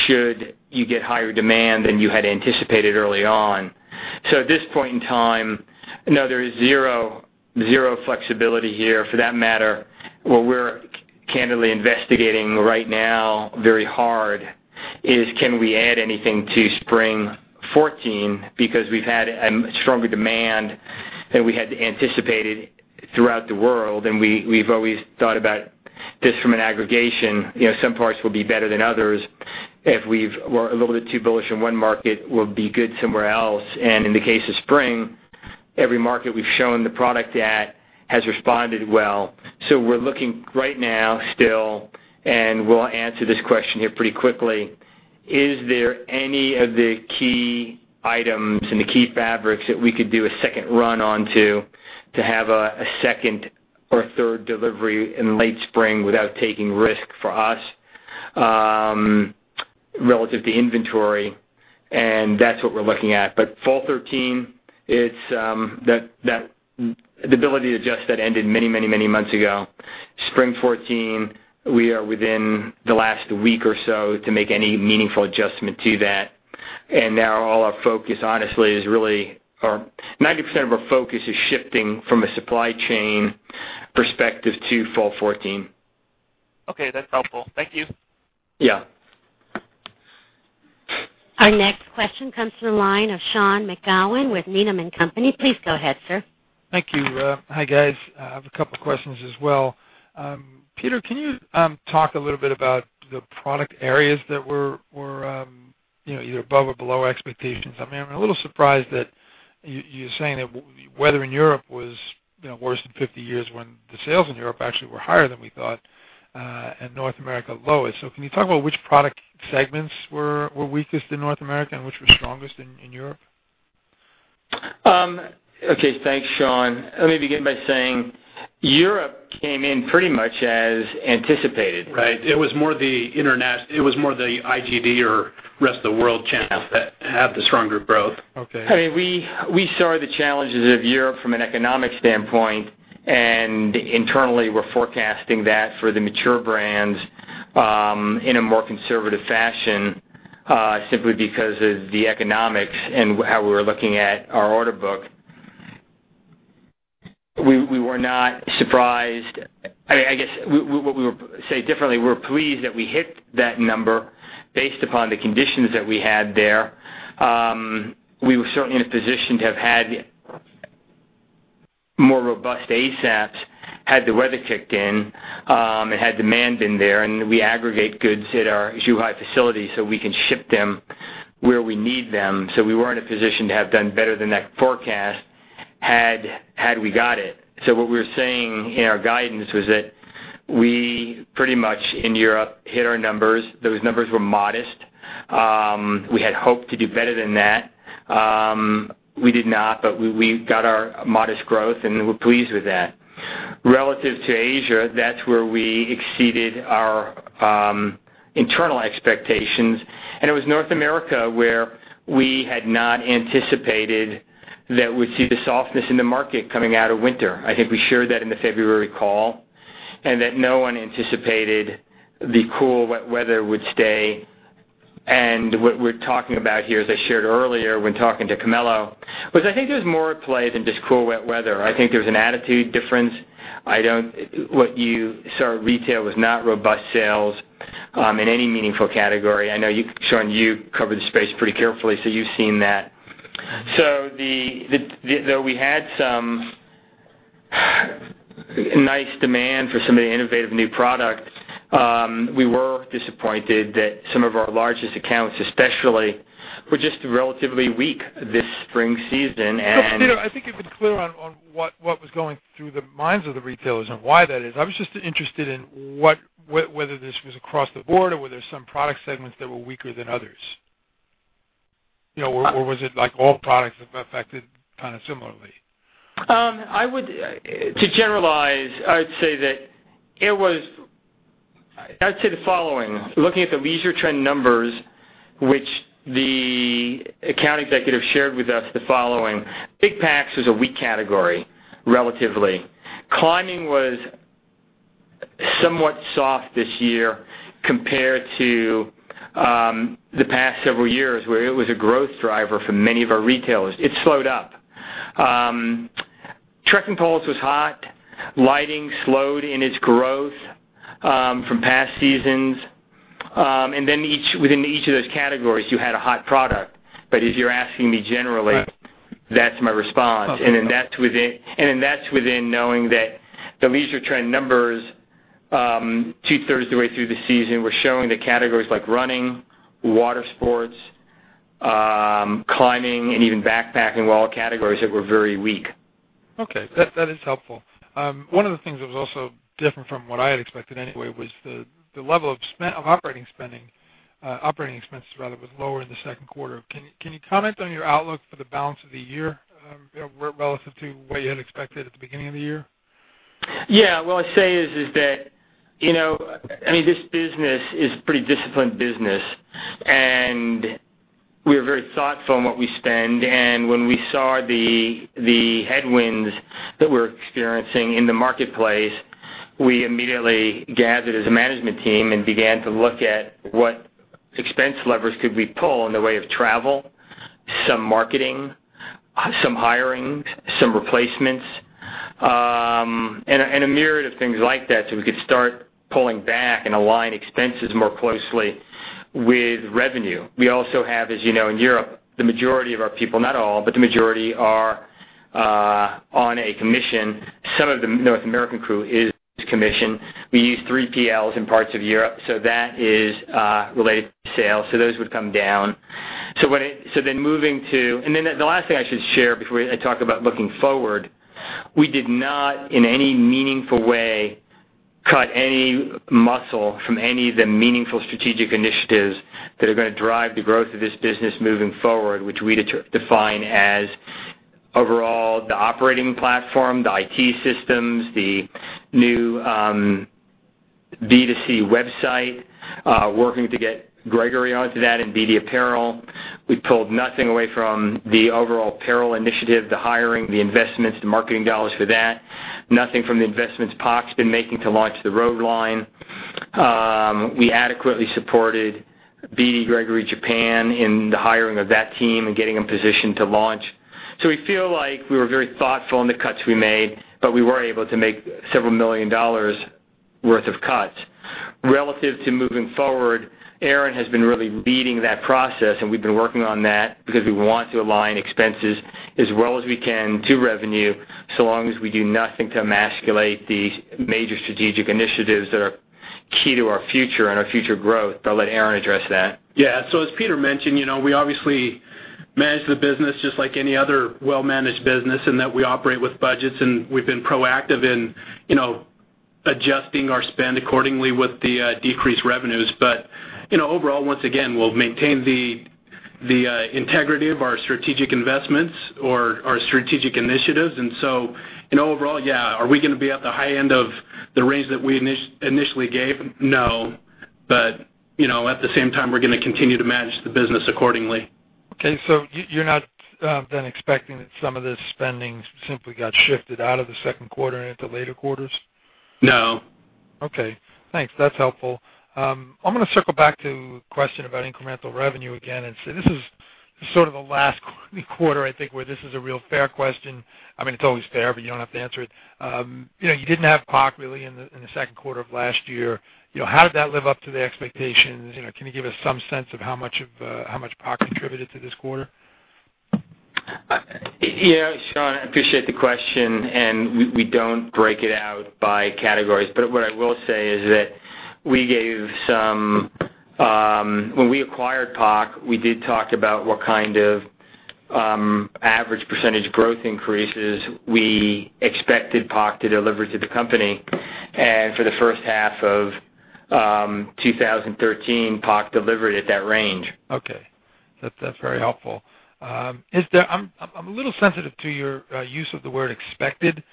should you get higher demand than you had anticipated early on. At this point in time, no, there is zero flexibility here. For that matter, what we're candidly investigating right now very hard is can we add anything to spring 2014 because we've had a stronger demand than we had anticipated throughout the world, and we've always thought about this from an aggregation. Some parts will be better than others. If we were a little bit too bullish in one market, we'll be good somewhere else. In the case of spring, every market we've shown the product at has responded well. We're looking right now still, and we'll answer this question here pretty quickly, is there any of the key items and the key fabrics that we could do a second run onto to have a second or third delivery in late spring without taking risk for us relative to inventory, and that's what we're looking at. Fall 2013, the ability to adjust that ended many months ago. Spring 2014, we are within the last week or so to make any meaningful adjustment to that. Now all our focus, honestly, is really, or 90% of our focus is shifting from a supply chain perspective to fall 2014. Okay. That's helpful. Thank you. Yeah. Our next question comes from the line of Sean McGowan with Needham & Company. Please go ahead, sir. Thank you. Hi, guys. I have a couple questions as well. Peter, can you talk a little bit about the product areas that were either above or below expectations? I'm a little surprised that you're saying that weather in Europe was worse than 50 years when the sales in Europe actually were higher than we thought, and North America lowest. Can you talk about which product segments were weakest in North America and which were strongest in Europe? Okay. Thanks, Sean. Let me begin by saying Europe came in pretty much as anticipated. Right. It was more the IGV or rest of the world channels that have the stronger growth. Okay. We saw the challenges of Europe from an economic standpoint, and internally, we're forecasting that for the mature brands in a more conservative fashion. Simply because of the economics and how we were looking at our order book. We were not surprised. I guess what we would say differently, we're pleased that we hit that number based upon the conditions that we had there. We were certainly in a position to have had more robust ASAPS had the weather kicked in, and had demand been there, and we aggregate goods at our Zhuhai facility so we can ship them where we need them. We were in a position to have done better than that forecast had we got it. What we were saying in our guidance was that we pretty much, in Europe, hit our numbers. Those numbers were modest. We had hoped to do better than that. We did not, but we got our modest growth, and we're pleased with that. Relative to Asia, that's where we exceeded our internal expectations. It was North America where we had not anticipated that we'd see the softness in the market coming out of winter. I think we shared that in the February call, and that no one anticipated the cool wet weather would stay. What we're talking about here, as I shared earlier when talking to Camilo, was I think there's more at play than just cool wet weather. I think there's an attitude difference. What you saw at retail was not robust sales in any meaningful category. I know, Sean, you cover the space pretty carefully, so you've seen that. Though we had some nice demand for some of the innovative new products, we were disappointed that some of our largest accounts especially, were just relatively weak this spring season. No, Peter, I think you've been clear on what was going through the minds of the retailers and why that is. I was just interested in whether this was across the board or were there some product segments that were weaker than others. Was it like all products were affected kind of similarly? To generalize, I would say the following. Looking at the Leisure Trends numbers, which the account executive shared with us, the following. Big packs was a weak category, relatively. Climbing was somewhat soft this year compared to the past several years, where it was a growth driver for many of our retailers. It slowed up. Trekking poles was hot. Lighting slowed in its growth from past seasons. Within each of those categories, you had a hot product. If you're asking me generally. Right That's my response. Okay. That's within knowing that the Leisure Trends numbers two-thirds of the way through the season were showing that categories like running, water sports, climbing, and even backpacking were all categories that were very weak. Okay. That is helpful. One of the things that was also different from what I had expected anyway, was the level of operating expenses was lower in the second quarter. Can you comment on your outlook for the balance of the year relative to what you had expected at the beginning of the year? Yeah. What I say is that this business is pretty disciplined business, and we are very thoughtful in what we spend. When we saw the headwinds that we're experiencing in the marketplace, we immediately gathered as a management team and began to look at what expense levers could we pull in the way of travel, some marketing, some hiring, some replacements, and a myriad of things like that so we could start pulling back and align expenses more closely with revenue. We also have, as you know, in Europe, the majority of our people, not all, but the majority are on a commission. Some of the North American crew is commission. We use 3PLs in parts of Europe. That is related to sales. Those would come down. The last thing I should share before I talk about looking forward, we did not, in any meaningful way, cut any muscle from any of the meaningful strategic initiatives that are going to drive the growth of this business moving forward, which we define as overall the operating platform, the IT systems, the new B2C website, working to get Gregory onto that and BD apparel. We pulled nothing away from the overall apparel initiative, the hiring, the investments, the marketing dollars for that. Nothing from the investments POC's been making to launch the road line. We adequately supported Gregory BD Japan in the hiring of that team and getting them positioned to launch. We feel like we were very thoughtful in the cuts we made, but we were able to make several million dollars worth of cuts. Relative to moving forward, Aaron has been really leading that process, and we've been working on that because we want to align expenses as well as we can to revenue, so long as we do nothing to emasculate the major strategic initiatives that are key to our future and our future growth. I'll let Aaron address that. Yeah. As Peter mentioned, we obviously manage the business just like any other well-managed business in that we operate with budgets, and we've been proactive in adjusting our spend accordingly with the decreased revenues. Overall, once again, we'll maintain the integrity of our strategic investments or our strategic initiatives. Overall, yeah. Are we going to be at the high end of the range that we initially gave? No. At the same time, we're going to continue to manage the business accordingly. Okay. You're not then expecting that some of the spending simply got shifted out of the second quarter into later quarters? No. Okay. Thanks. That's helpful. I'm going to circle back to a question about incremental revenue again, and this is sort of the last quarter, I think, where this is a real fair question. It's always fair, but you don't have to answer it. You didn't have POC really in the second quarter of last year. How did that live up to the expectations? Can you give us some sense of how much POC contributed to this quarter? Sean, I appreciate the question, we don't break it out by categories. What I will say is that when we acquired POC, we did talk about what kind of average % growth increases we expected POC to deliver to the company. For the first half of 2013, POC delivered at that range. Okay. That's very helpful. I'm a little sensitive to your use of the word expected,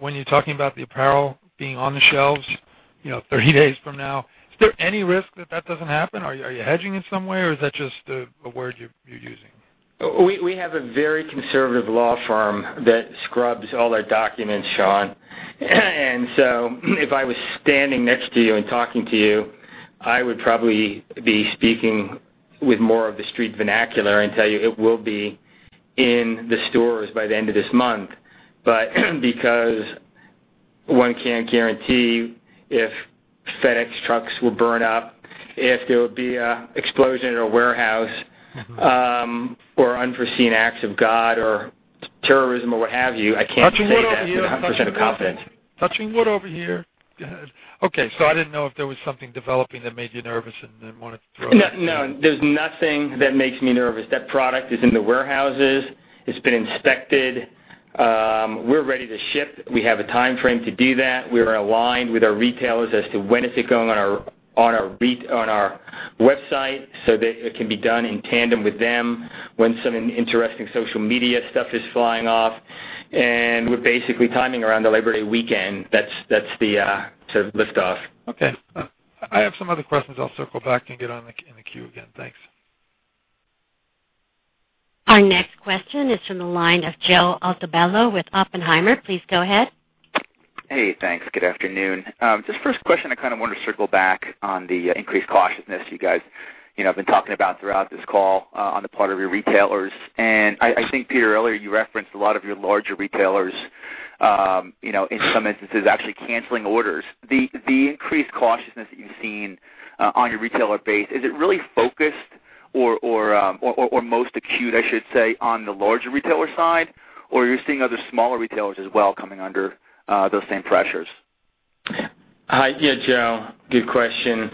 when you're talking about the apparel being on the shelves 30 days from now. Is there any risk that that doesn't happen? Are you hedging it somewhere or is that just a word you're using? We have a very conservative law firm that scrubs all our documents, Sean. If I was standing next to you and talking to you, I would probably be speaking with more of the street vernacular and tell you it will be in the stores by the end of this month. Because one can't guarantee if FedEx trucks will burn up, if there would be an explosion at a warehouse. Unforeseen acts of God or terrorism or what have you, I can't say that with 100% confidence. Touching wood over here. Okay. I didn't know if there was something developing that made you nervous wanted to throw it out there. No, there's nothing that makes me nervous. That product is in the warehouses. It's been inspected. We're ready to ship. We have a timeframe to do that. We are aligned with our retailers as to when is it going on our website so that it can be done in tandem with them when some interesting social media stuff is flying off, we're basically timing around the Labor Day weekend. That's the sort of liftoff. Okay. I have some other questions. I'll circle back and get on the queue again. Thanks. Our next question is from the line of Joe Altobello with Oppenheimer. Please go ahead. Hey, thanks. Good afternoon. First question, I kind of wanted to circle back on the increased cautiousness you guys have been talking about throughout this call, on the part of your retailers. I think, Peter, earlier you referenced a lot of your larger retailers, in some instances, actually canceling orders. The increased cautiousness that you've seen on your retailer base, is it really focused or most acute, I should say, on the larger retailer side? Are you seeing other smaller retailers as well coming under those same pressures? Hi. Yeah, Joe, good question.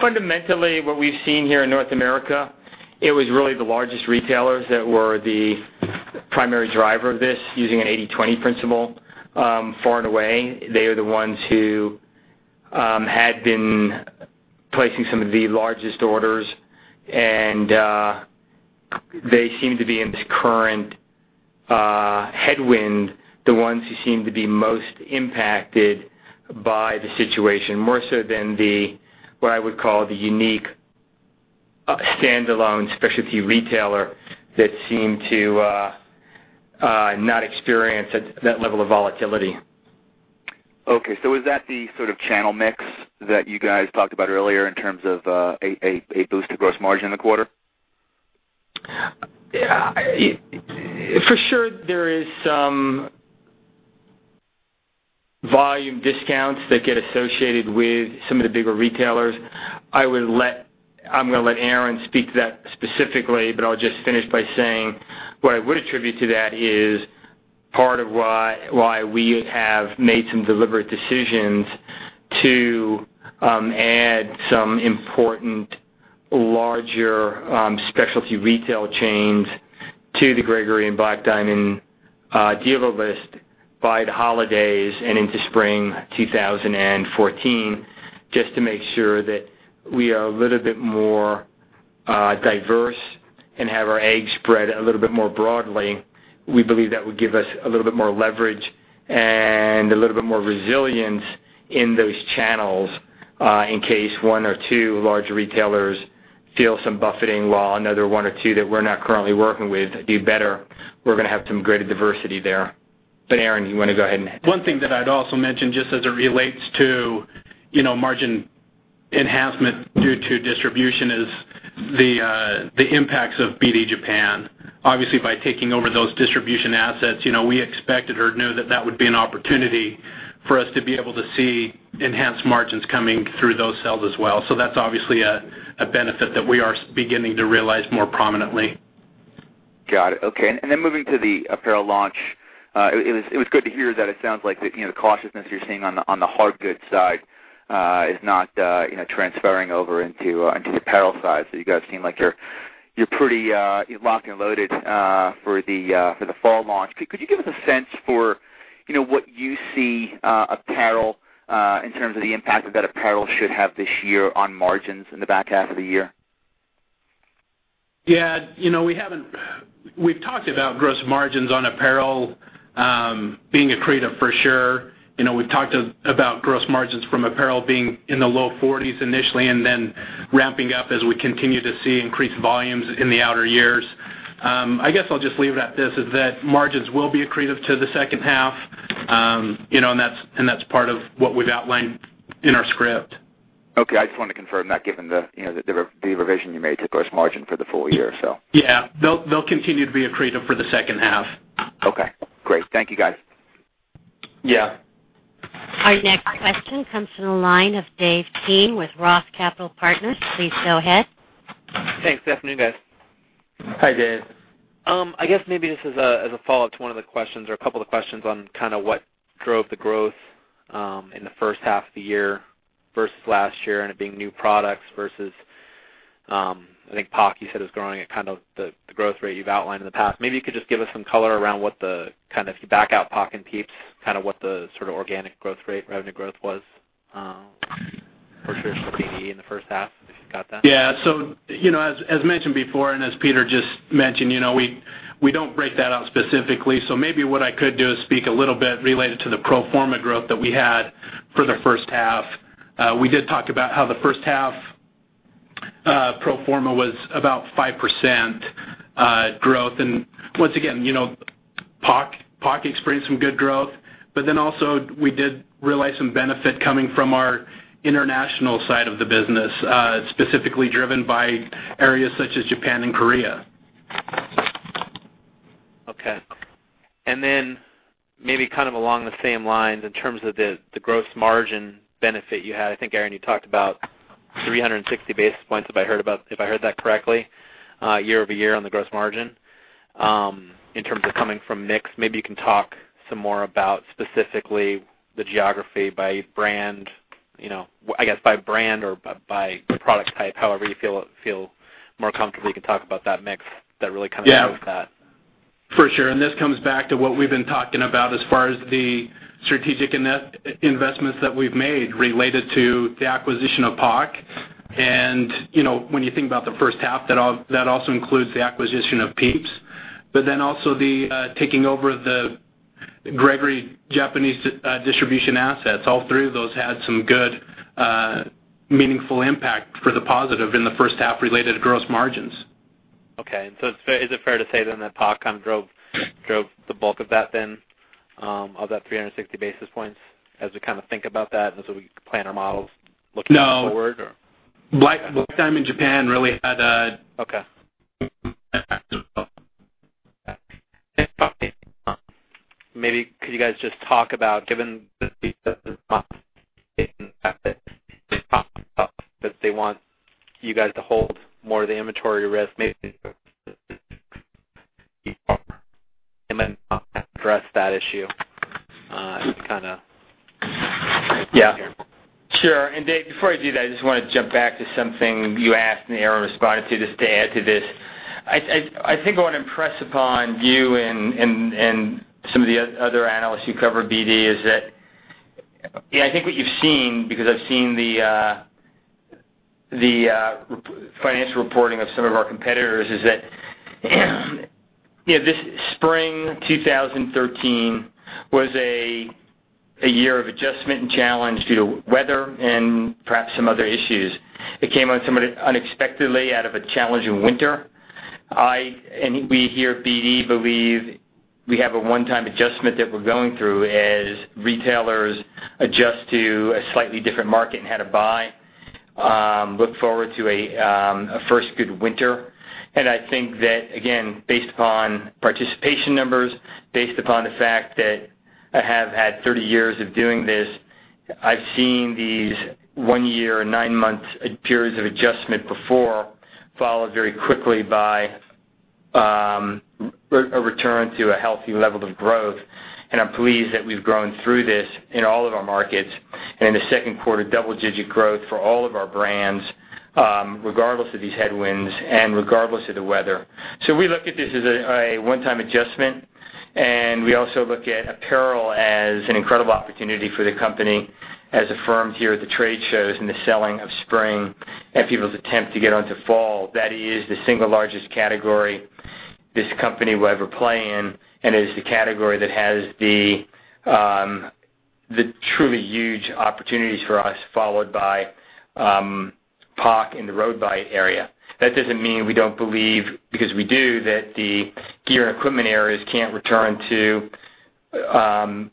Fundamentally, what we've seen here in North America, it was really the largest retailers that were the primary driver of this, using an 80/20 principle. Far and away, they are the ones who had been placing some of the largest orders. They seem to be, in this current headwind, the ones who seem to be most impacted by the situation, more so than the, what I would call, the unique standalone specialty retailer that seem to not experience that level of volatility. Okay. Is that the sort of channel mix that you guys talked about earlier in terms of a boost to gross margin in the quarter? For sure there is some volume discounts that get associated with some of the bigger retailers. I'm going to let Aaron speak to that specifically. I'll just finish by saying, what I would attribute to that is part of why we have made some deliberate decisions to add some important larger specialty retail chains to the Gregory and Black Diamond dealer list by the holidays and into spring 2014, just to make sure that we are a little bit more diverse and have our eggs spread a little bit more broadly. We believe that would give us a little bit more leverage and a little bit more resilience in those channels, in case one or two larger retailers feel some buffeting while another one or two that we're not currently working with do better. We're going to have some greater diversity there. Aaron, you want to go ahead? One thing that I'd also mention, just as it relates to margin enhancement due to distribution is the impacts of BD Japan. Obviously, by taking over those distribution assets, we expected or knew that that would be an opportunity for us to be able to see enhanced margins coming through those sales as well. That's obviously a benefit that we are beginning to realize more prominently. Got it. Okay. Moving to the apparel launch, it was good to hear that it sounds like the cautiousness you're seeing on the hard goods side is not transferring over into the apparel side. You guys seem like you're pretty locked and loaded for the fall launch. Could you give us a sense for what you see apparel, in terms of the impact that apparel should have this year on margins in the back half of the year? Yeah. We've talked about gross margins on apparel being accretive for sure. We've talked about gross margins from apparel being in the low 40s initially and then ramping up as we continue to see increased volumes in the outer years. I guess I'll just leave it at this, is that margins will be accretive to the second half, that's part of what we've outlined in our script. Okay. I just wanted to confirm that given the revision you made to gross margin for the full year. Yeah. They'll continue to be accretive for the second half. Okay, great. Thank you, guys. Yeah. Our next question comes from the line of Dave King with Roth Capital Partners. Please go ahead. Thanks. Good afternoon, guys. Hi, Dave. I guess maybe this is as a follow-up to one of the questions or a couple of the questions on kind of what drove the growth in the first half of the year versus last year, and it being new products versus, I think POC you said is growing at kind of the growth rate you've outlined in the past. You could just give us some color around what the, kind of if you back out POC and PIEPS, kind of what the sort of organic growth rate revenue growth was. For sure, Steve, in the first half, if you've got that. Yeah. As mentioned before, and as Peter just mentioned, we don't break that out specifically. Maybe what I could do is speak a little bit related to the pro forma growth that we had for the first half. We did talk about how the first half pro forma was about 5% growth. Once again, POC experienced some good growth, also we did realize some benefit coming from our international side of the business, specifically driven by areas such as Japan and Korea. Okay. Maybe along the same lines in terms of the gross margin benefit you had. I think, Aaron, you talked about 360 basis points, if I heard that correctly, year-over-year on the gross margin. In terms of coming from mix, maybe you can talk some more about specifically the geography by brand, I guess by brand or by product type, however you feel more comfortable you can talk about that mix that really kind of drove that. For sure. This comes back to what we've been talking about as far as the strategic investments that we've made related to the acquisition of POC. When you think about the first half, that also includes the acquisition of PIEPS, also the taking over the Gregory Japanese distribution assets. All three of those had some good meaningful impact for the positive in the first half related to gross margins. Okay. Is it fair to say then that POC kind of drove the bulk of that then of that 360 basis points as we kind of think about that we plan our models looking forward? No. Japan really had a. Okay Maybe could you guys just talk about, given that they want you guys to hold more of the inventory risk address that issue just. Sure. Dave, before I do that, I just want to jump back to something you asked and Aaron responded to, just to add to this. I think I want to impress upon you and some of the other analysts who cover BD is that I think what you've seen, because I've seen the financial reporting of some of our competitors, is that this spring 2013 was a year of adjustment and challenge due to weather and perhaps some other issues. It came on somewhat unexpectedly out of a challenging winter. I, and we here at BD, believe we have a one-time adjustment that we're going through as retailers adjust to a slightly different market and how to buy, look forward to a first good winter. I think that, again, based upon participation numbers, based upon the fact that I have had 30 years of doing this, I've seen these one year, nine months periods of adjustment before, followed very quickly by a return to a healthy level of growth. I'm pleased that we've grown through this in all of our markets, and in the second quarter, double-digit growth for all of our brands, regardless of these headwinds and regardless of the weather. We look at this as a one-time adjustment, and we also look at apparel as an incredible opportunity for the company as affirmed here at the trade shows and the selling of spring and people's attempt to get on to fall. That is the single largest category this company will ever play in, and is the category that has the truly huge opportunities for us, followed by POC and the road bike area. That doesn't mean we don't believe, because we do, that the gear and equipment areas can't return to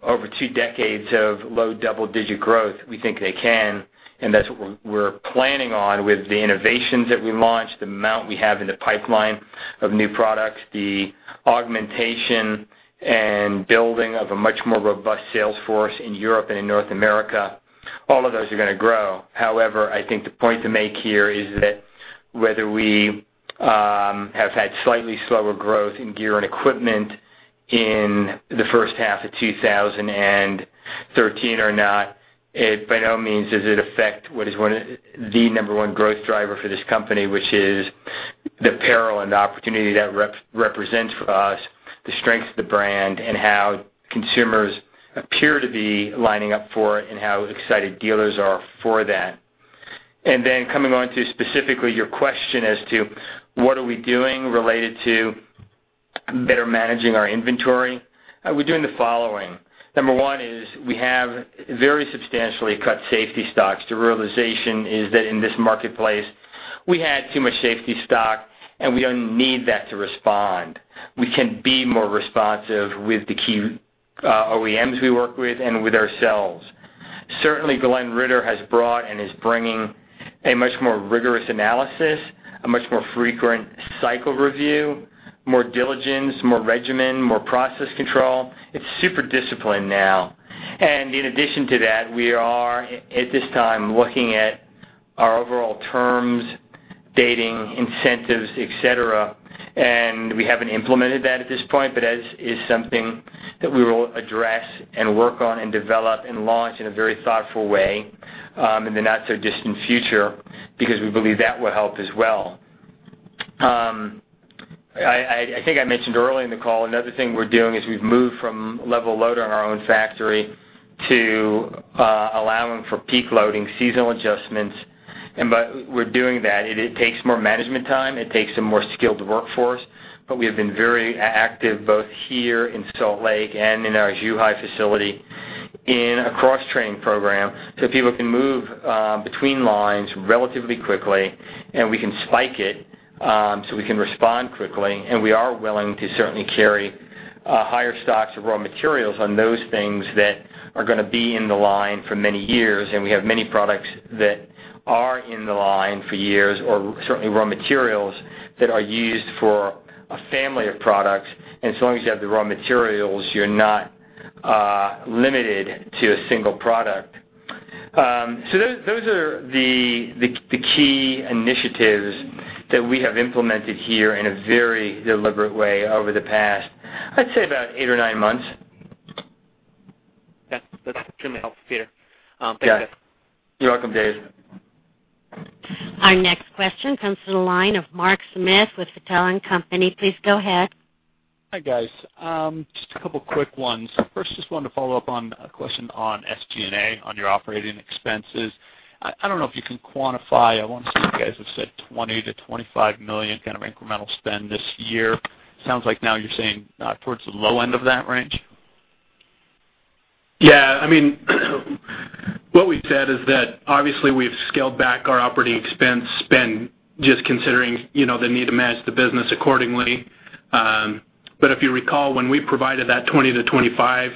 over two decades of low double-digit growth. We think they can, and that's what we're planning on with the innovations that we launched, the amount we have in the pipeline of new products, the augmentation and building of a much more robust sales force in Europe and in North America. All of those are going to grow. However, I think the point to make here is that whether we have had slightly slower growth in gear and equipment in the first half of 2013 or not, by no means does it affect what is the number one growth driver for this company, which is the apparel and the opportunity that represents for us, the strength of the brand, and how consumers appear to be lining up for it, and how excited dealers are for that. Then coming on to specifically your question as to what are we doing related to better managing our inventory, we're doing the following. Number one is we have very substantially cut safety stocks. The realization is that in this marketplace, we had too much safety stock, and we don't need that to respond. We can be more responsive with the key OEMs we work with and with ourselves. Certainly, Glenn Ritter has brought and is bringing a much more rigorous analysis, a much more frequent cycle review, more diligence, more regimen, more process control. It's super disciplined now. In addition to that, we are, at this time, looking at our overall terms, dating, incentives, et cetera, and we haven't implemented that at this point, but that is something that we will address and work on and develop and launch in a very thoughtful way in the not so distant future because we believe that will help as well. I think I mentioned earlier in the call, another thing we're doing is we've moved from level load on our own factory to allowing for peak loading seasonal adjustments. We're doing that. It takes more management time. It takes a more skilled workforce. We have been very active both here in Salt Lake and in our Zhuhai facility in a cross-training program so people can move between lines relatively quickly, and we can spike it, so we can respond quickly. We are willing to certainly carry higher stocks of raw materials on those things that are going to be in the line for many years. We have many products that are in the line for years, or certainly raw materials that are used for a family of products. So long as you have the raw materials, you're not limited to a single product. Those are the key initiatives that we have implemented here in a very deliberate way over the past, I'd say about eight or nine months. That's extremely helpful, Peter. Thanks. Yeah. You're welcome, Dave. Our next question comes to the line of Mark Smith with Feltl & Company. Please go ahead. Hi, guys. Just a couple quick ones. First, just wanted to follow up on a question on SG&A on your operating expenses. I don't know if you can quantify. I want to say you guys have said $20 million-$25 million kind of incremental spend this year. Sounds like now you're saying towards the low end of that range? Yeah. What we've said is that obviously we've scaled back our operating expense spend, just considering the need to manage the business accordingly. If you recall, when we provided that $20-$25,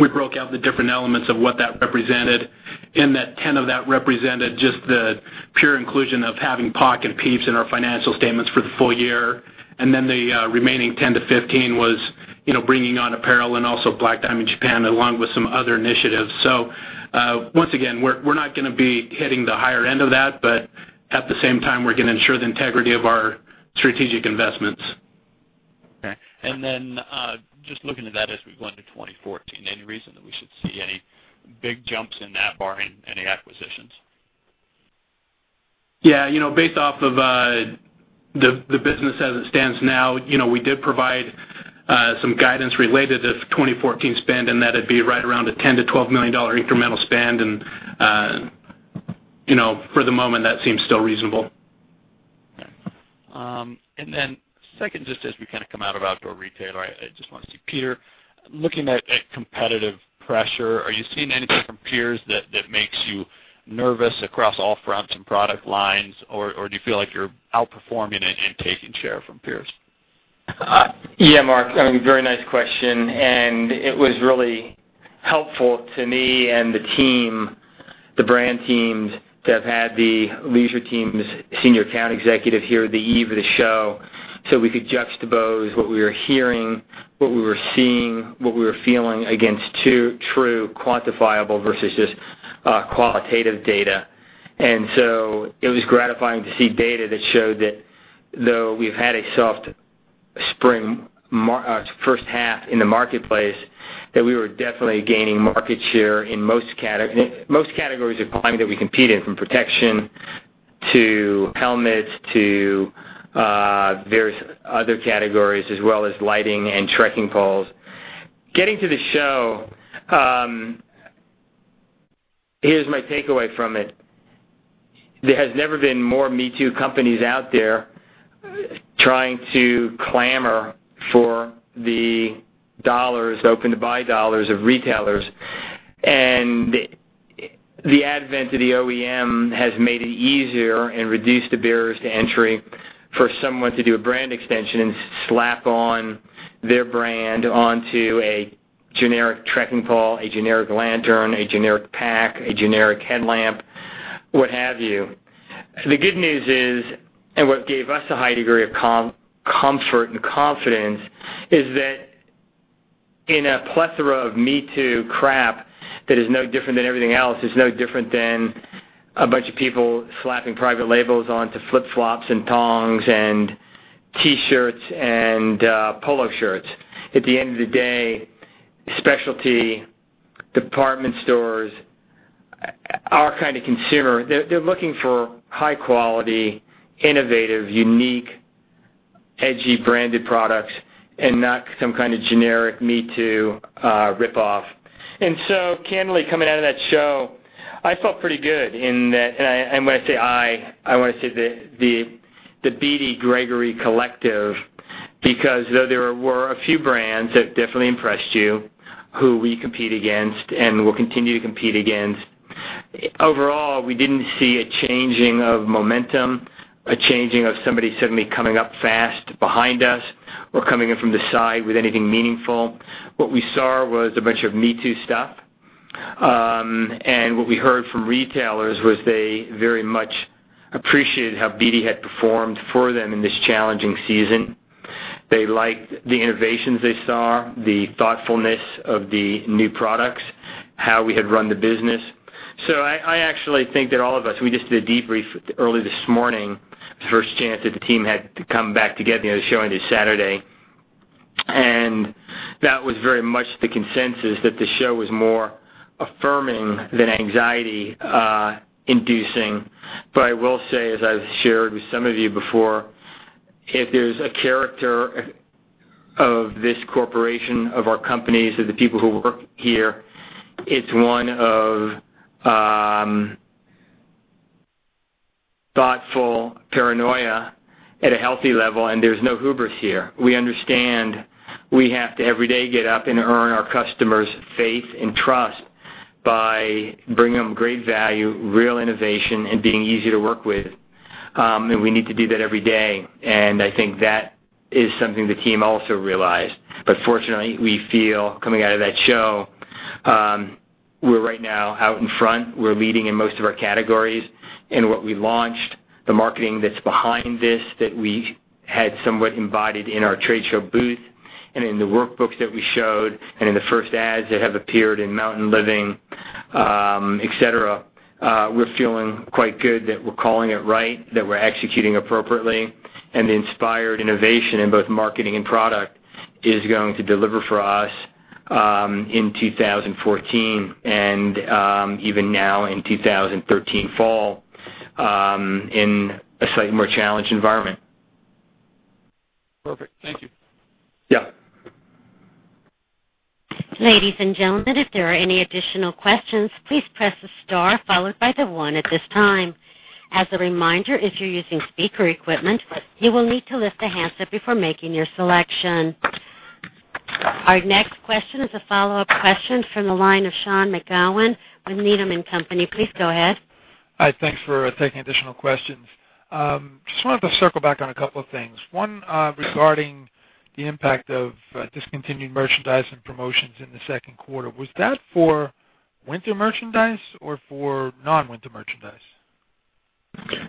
we broke out the different elements of what that represented, and that 10 of that represented just the pure inclusion of having POC and PIEPS in our financial statements for the full year. The remaining 10-15 was bringing on apparel and also Black Diamond Japan, along with some other initiatives. Once again, we're not going to be hitting the higher end of that, but at the same time, we're going to ensure the integrity of our strategic investments. Okay. Just looking at that as we go into 2014, any reason that we should see any big jumps in that barring any acquisitions? Yeah. Based off of the business as it stands now, we did provide some guidance related to 2014 spend, that'd be right around a $10 million-$12 million incremental spend, for the moment, that seems still reasonable. Okay. Then second, just as we kind of come out of Outdoor Retailer, I just wanted to Peter, looking at competitive pressure, are you seeing anything from peers that makes you nervous across all fronts and product lines, or do you feel like you're outperforming and taking share from peers? Yeah, Mark. Very nice question. It was really helpful to me and the team, the brand teams, to have had the Leisure Trends' senior account executive here the eve of the show so we could juxtapose what we were hearing, what we were seeing, what we were feeling against true quantifiable versus just qualitative data. So it was gratifying to see data that showed that though we've had a soft spring first half in the marketplace, that we were definitely gaining market share in most categories of climbing that we compete in, from protection to helmets to various other categories, as well as lighting and trekking poles. Getting to the show, here's my takeaway from it. There has never been more me-too companies out there trying to clamor for the open-to-buy dollars of retailers, the advent of the OEM has made it easier and reduced the barriers to entry for someone to do a brand extension and slap on their brand onto a generic trekking pole, a generic lantern, a generic pack, a generic headlamp, what have you. The good news is, what gave us a high degree of comfort and confidence is that in a plethora of me-too crap that is no different than everything else, it's no different than a bunch of people slapping private labels onto flip-flops and thongs and T-shirts and polo shirts. At the end of the day, specialty department stores, our kind of consumer, they're looking for high quality, innovative, unique, edgy branded products and not some kind of generic me-too rip-off. Candidly, coming out of that show, I felt pretty good in that, and when I say I want to say the BD Gregory collective, because though there were a few brands that definitely impressed you who we compete against and will continue to compete against, overall, we didn't see a changing of momentum, a changing of somebody suddenly coming up fast behind us or coming in from the side with anything meaningful. What we saw was a bunch of me-too stuff. What we heard from retailers was they very much appreciated how BD had performed for them in this challenging season. They liked the innovations they saw, the thoughtfulness of the new products, how we had run the business. I actually think that all of us, we just did a debrief early this morning. First chance that the team had to come back together, the show ended Saturday. That was very much the consensus, that the show was more affirming than anxiety-inducing. I will say, as I've shared with some of you before, if there's a character of this corporation, of our companies, of the people who work here, it's one of thoughtful paranoia at a healthy level, and there's no hubris here. We understand we have to, every day, get up and earn our customers' faith and trust by bringing them great value, real innovation, and being easy to work with. We need to do that every day. I think that is something the team also realized. Fortunately, we feel, coming out of that show, we're right now out in front. We're leading in most of our categories in what we launched, the marketing that's behind this, that we had somewhat embodied in our trade show booth, and in the workbooks that we showed, and in the first ads that have appeared in "Mountain Living," et cetera. We're feeling quite good that we're calling it right, that we're executing appropriately, and the inspired innovation in both marketing and product is going to deliver for us in 2014 and even now in 2013 fall in a slightly more challenged environment. Perfect. Thank you. Yeah. Ladies and gentlemen, if there are any additional questions, please press the star followed by the one at this time. As a reminder, if you're using speaker equipment, you will need to lift the handset before making your selection. Our next question is a follow-up question from the line of Sean McGowan with Needham & Company. Please go ahead. Hi. Thanks for taking additional questions. Just wanted to circle back on a couple of things. One- Yeah regarding the impact of discontinued merchandise and promotions in the second quarter. Was that for winter merchandise or for non-winter merchandise?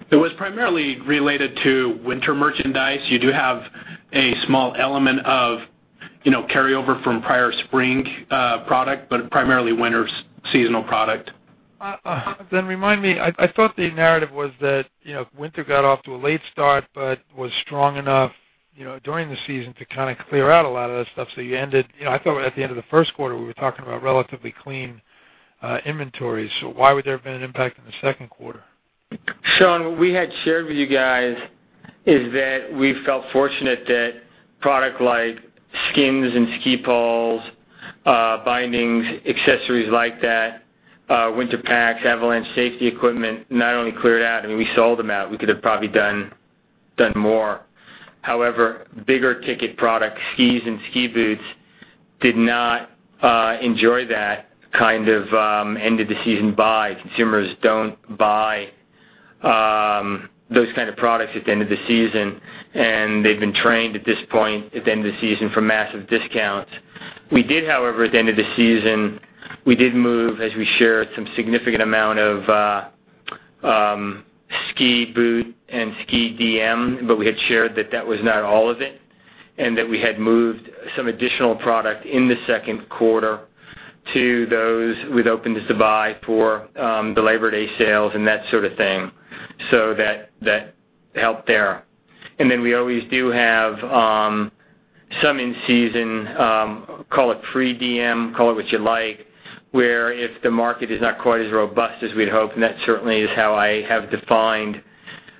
It was primarily related to winter merchandise. You do have a small element of carryover from prior spring product, but primarily winter seasonal product. Remind me. I thought the narrative was that winter got off to a late start but was strong enough during the season to kind of clear out a lot of that stuff, you ended I thought at the end of the first quarter, we were talking about relatively clean inventories. Why would there have been an impact in the second quarter? Sean, what we had shared with you guys is that we felt fortunate that product like skins and ski poles, bindings, accessories like that, winter packs, avalanche safety equipment not only cleared out. I mean, we sold them out. We could have probably done more. However, bigger-ticket products, skis and ski boots, did not enjoy that kind of end-of-the-season buy. Consumers don't buy those kind of products at the end of the season, and they've been trained, at this point, at the end of the season, for massive discounts. We did, however, at the end of the season, we did move, as we shared, some significant amount of ski boot and ski DM, we had shared that that was not all of it, and that we had moved some additional product in the second quarter to those with openness to buy for the Labor Day sales and that sort of thing. That helped there. We always do have some in-season, call it free DM, call it what you like, where if the market is not quite as robust as we'd hoped, and that certainly is how I have defined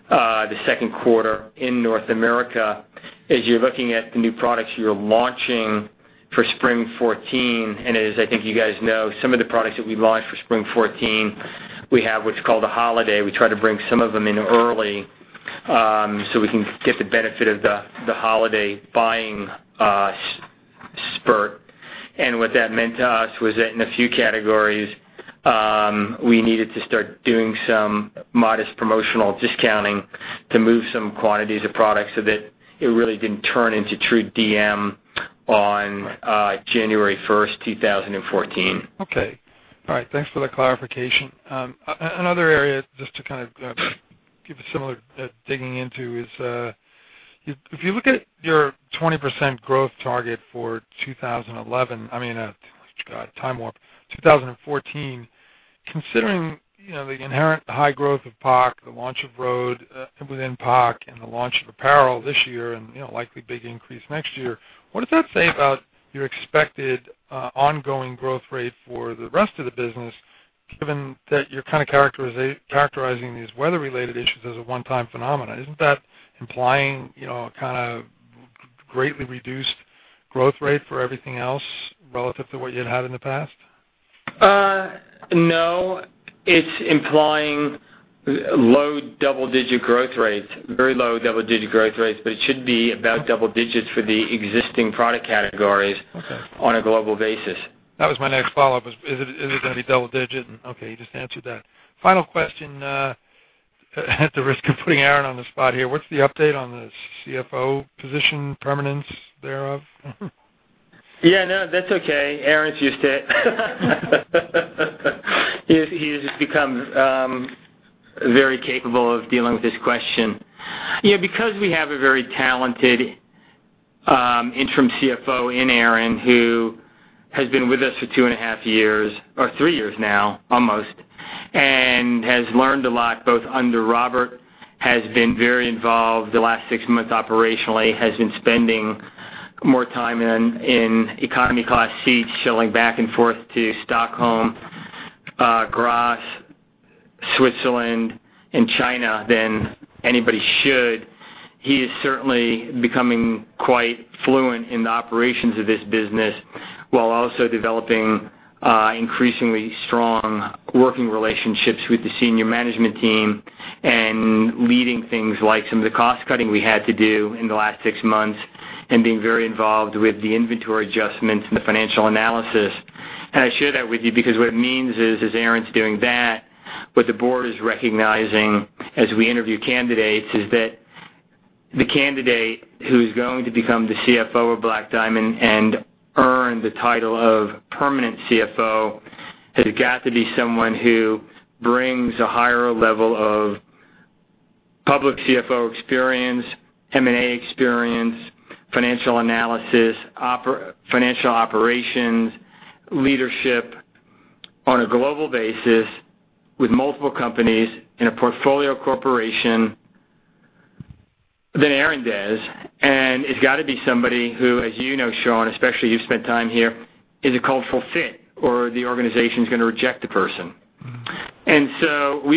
the second quarter in North America, as you're looking at the new products you're launching for spring 2014. As I think you guys know, some of the products that we launched for spring 2014, we have what's called a holiday. We try to bring some of them in early so we can get the benefit of the holiday buying spurt. What that meant to us was that in a few categories, we needed to start doing some modest promotional discounting to move some quantities of product so that it really didn't turn into true DM on January 1st, 2014. Okay. All right. Thanks for that clarification. Another area, just to kind of give a similar digging into, is if you look at your 20% growth target for 2014. Considering the inherent high growth of POC, the launch of Road within POC, and the launch of apparel this year and likely big increase next year, what does that say about your expected ongoing growth rate for the rest of the business, given that you're kind of characterizing these weather-related issues as a one-time phenomena? Isn't that implying a kind of greatly reduced growth rate for everything else relative to what you'd had in the past? No. It's implying low double-digit growth rates. Very low double-digit growth rates, but it should be about double digits for the existing product categories- Okay on a global basis. That was my next follow-up, was is it going to be double digit? Okay, you just answered that. Final question, at the risk of putting Aaron on the spot here, what's the update on the CFO position, permanence thereof? Yeah. No, that's okay. Aaron is used to it. He has become very capable of dealing with this question. Because we have a very talented interim CFO in Aaron, who has been with us for two and a half years, or three years now, almost, and has learned a lot, both under Robert, has been very involved the last six months operationally, has been spending more time in economy class seats, chilling back and forth to Stockholm, Grasse, Switzerland, and China than anybody should. He is certainly becoming quite fluent in the operations of this business, while also developing increasingly strong working relationships with the senior management team and leading things like some of the cost-cutting we had to do in the last six months and being very involved with the inventory adjustments and the financial analysis. I share that with you because what it means is, as Aaron is doing that, what the board is recognizing as we interview candidates, is that the candidate who is going to become the CFO of Black Diamond and earn the title of permanent CFO, has got to be someone who brings a higher level of public CFO experience, M&A experience, financial analysis, financial operations, leadership on a global basis with multiple companies in a portfolio corporation than Aaron does. It is got to be somebody who, as you know, Sean, especially you have spent time here, is a cultural fit or the organization is going to reject the person. We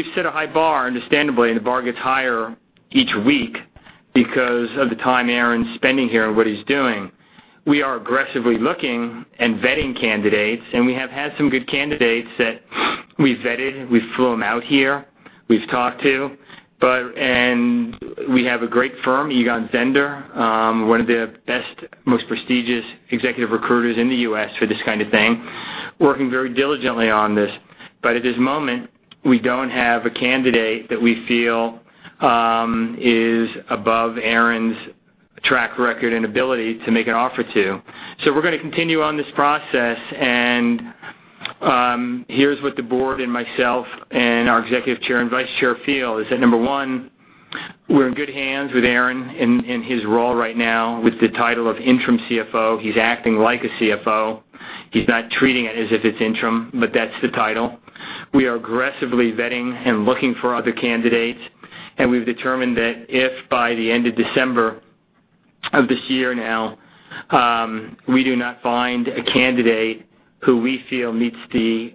have set a high bar, understandably, and the bar gets higher each week because of the time Aaron is spending here and what he is doing. We are aggressively looking and vetting candidates, and we have had some good candidates that we have vetted, we flew them out here, we have talked to. We have a great firm, Egon Zehnder, one of the best, most prestigious executive recruiters in the U.S. for this kind of thing, working very diligently on this. At this moment, we do not have a candidate that we feel is above Aaron is track record and ability to make an offer to. We are going to continue on this process, and here is what the board and myself and our executive chair and vice chair feel is that, number 1, we are in good hands with Aaron in his role right now with the title of interim CFO. He is acting like a CFO. He is not treating it as if it is interim, but that is the title. We are aggressively vetting and looking for other candidates, and we have determined that if by the end of December of this year now, we do not find a candidate who we feel meets the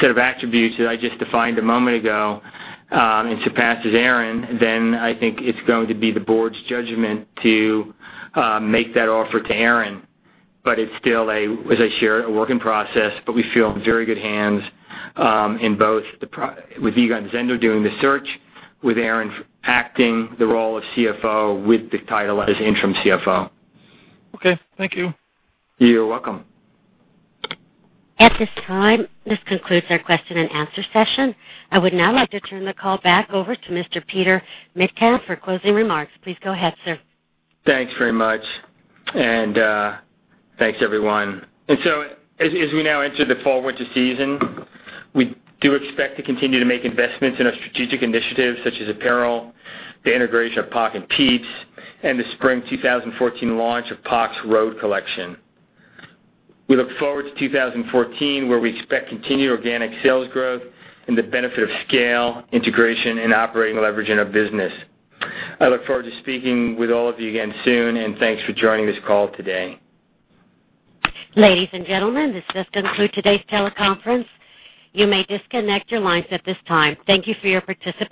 set of attributes that I just defined a moment ago, and surpasses Aaron, I think it is going to be the board's judgment to make that offer to Aaron. It is still, as I share, a work in process, but we feel in very good hands with Egon Zehnder doing the search, with Aaron acting the role of CFO with the title as interim CFO. Okay. Thank you. You're welcome. At this time, this concludes our question and answer session. I would now like to turn the call back over to Mr. Peter Metcalf for closing remarks. Please go ahead, sir. Thanks very much. Thanks everyone. As we now enter the fall-winter season, we do expect to continue to make investments in our strategic initiatives such as apparel, the integration of POC and PIEPS, and the spring 2014 launch of POC's Road collection. We look forward to 2014, where we expect continued organic sales growth and the benefit of scale, integration, and operating leverage in our business. I look forward to speaking with all of you again soon, and thanks for joining this call today. Ladies and gentlemen, this does conclude today's teleconference. You may disconnect your lines at this time. Thank you for your participation.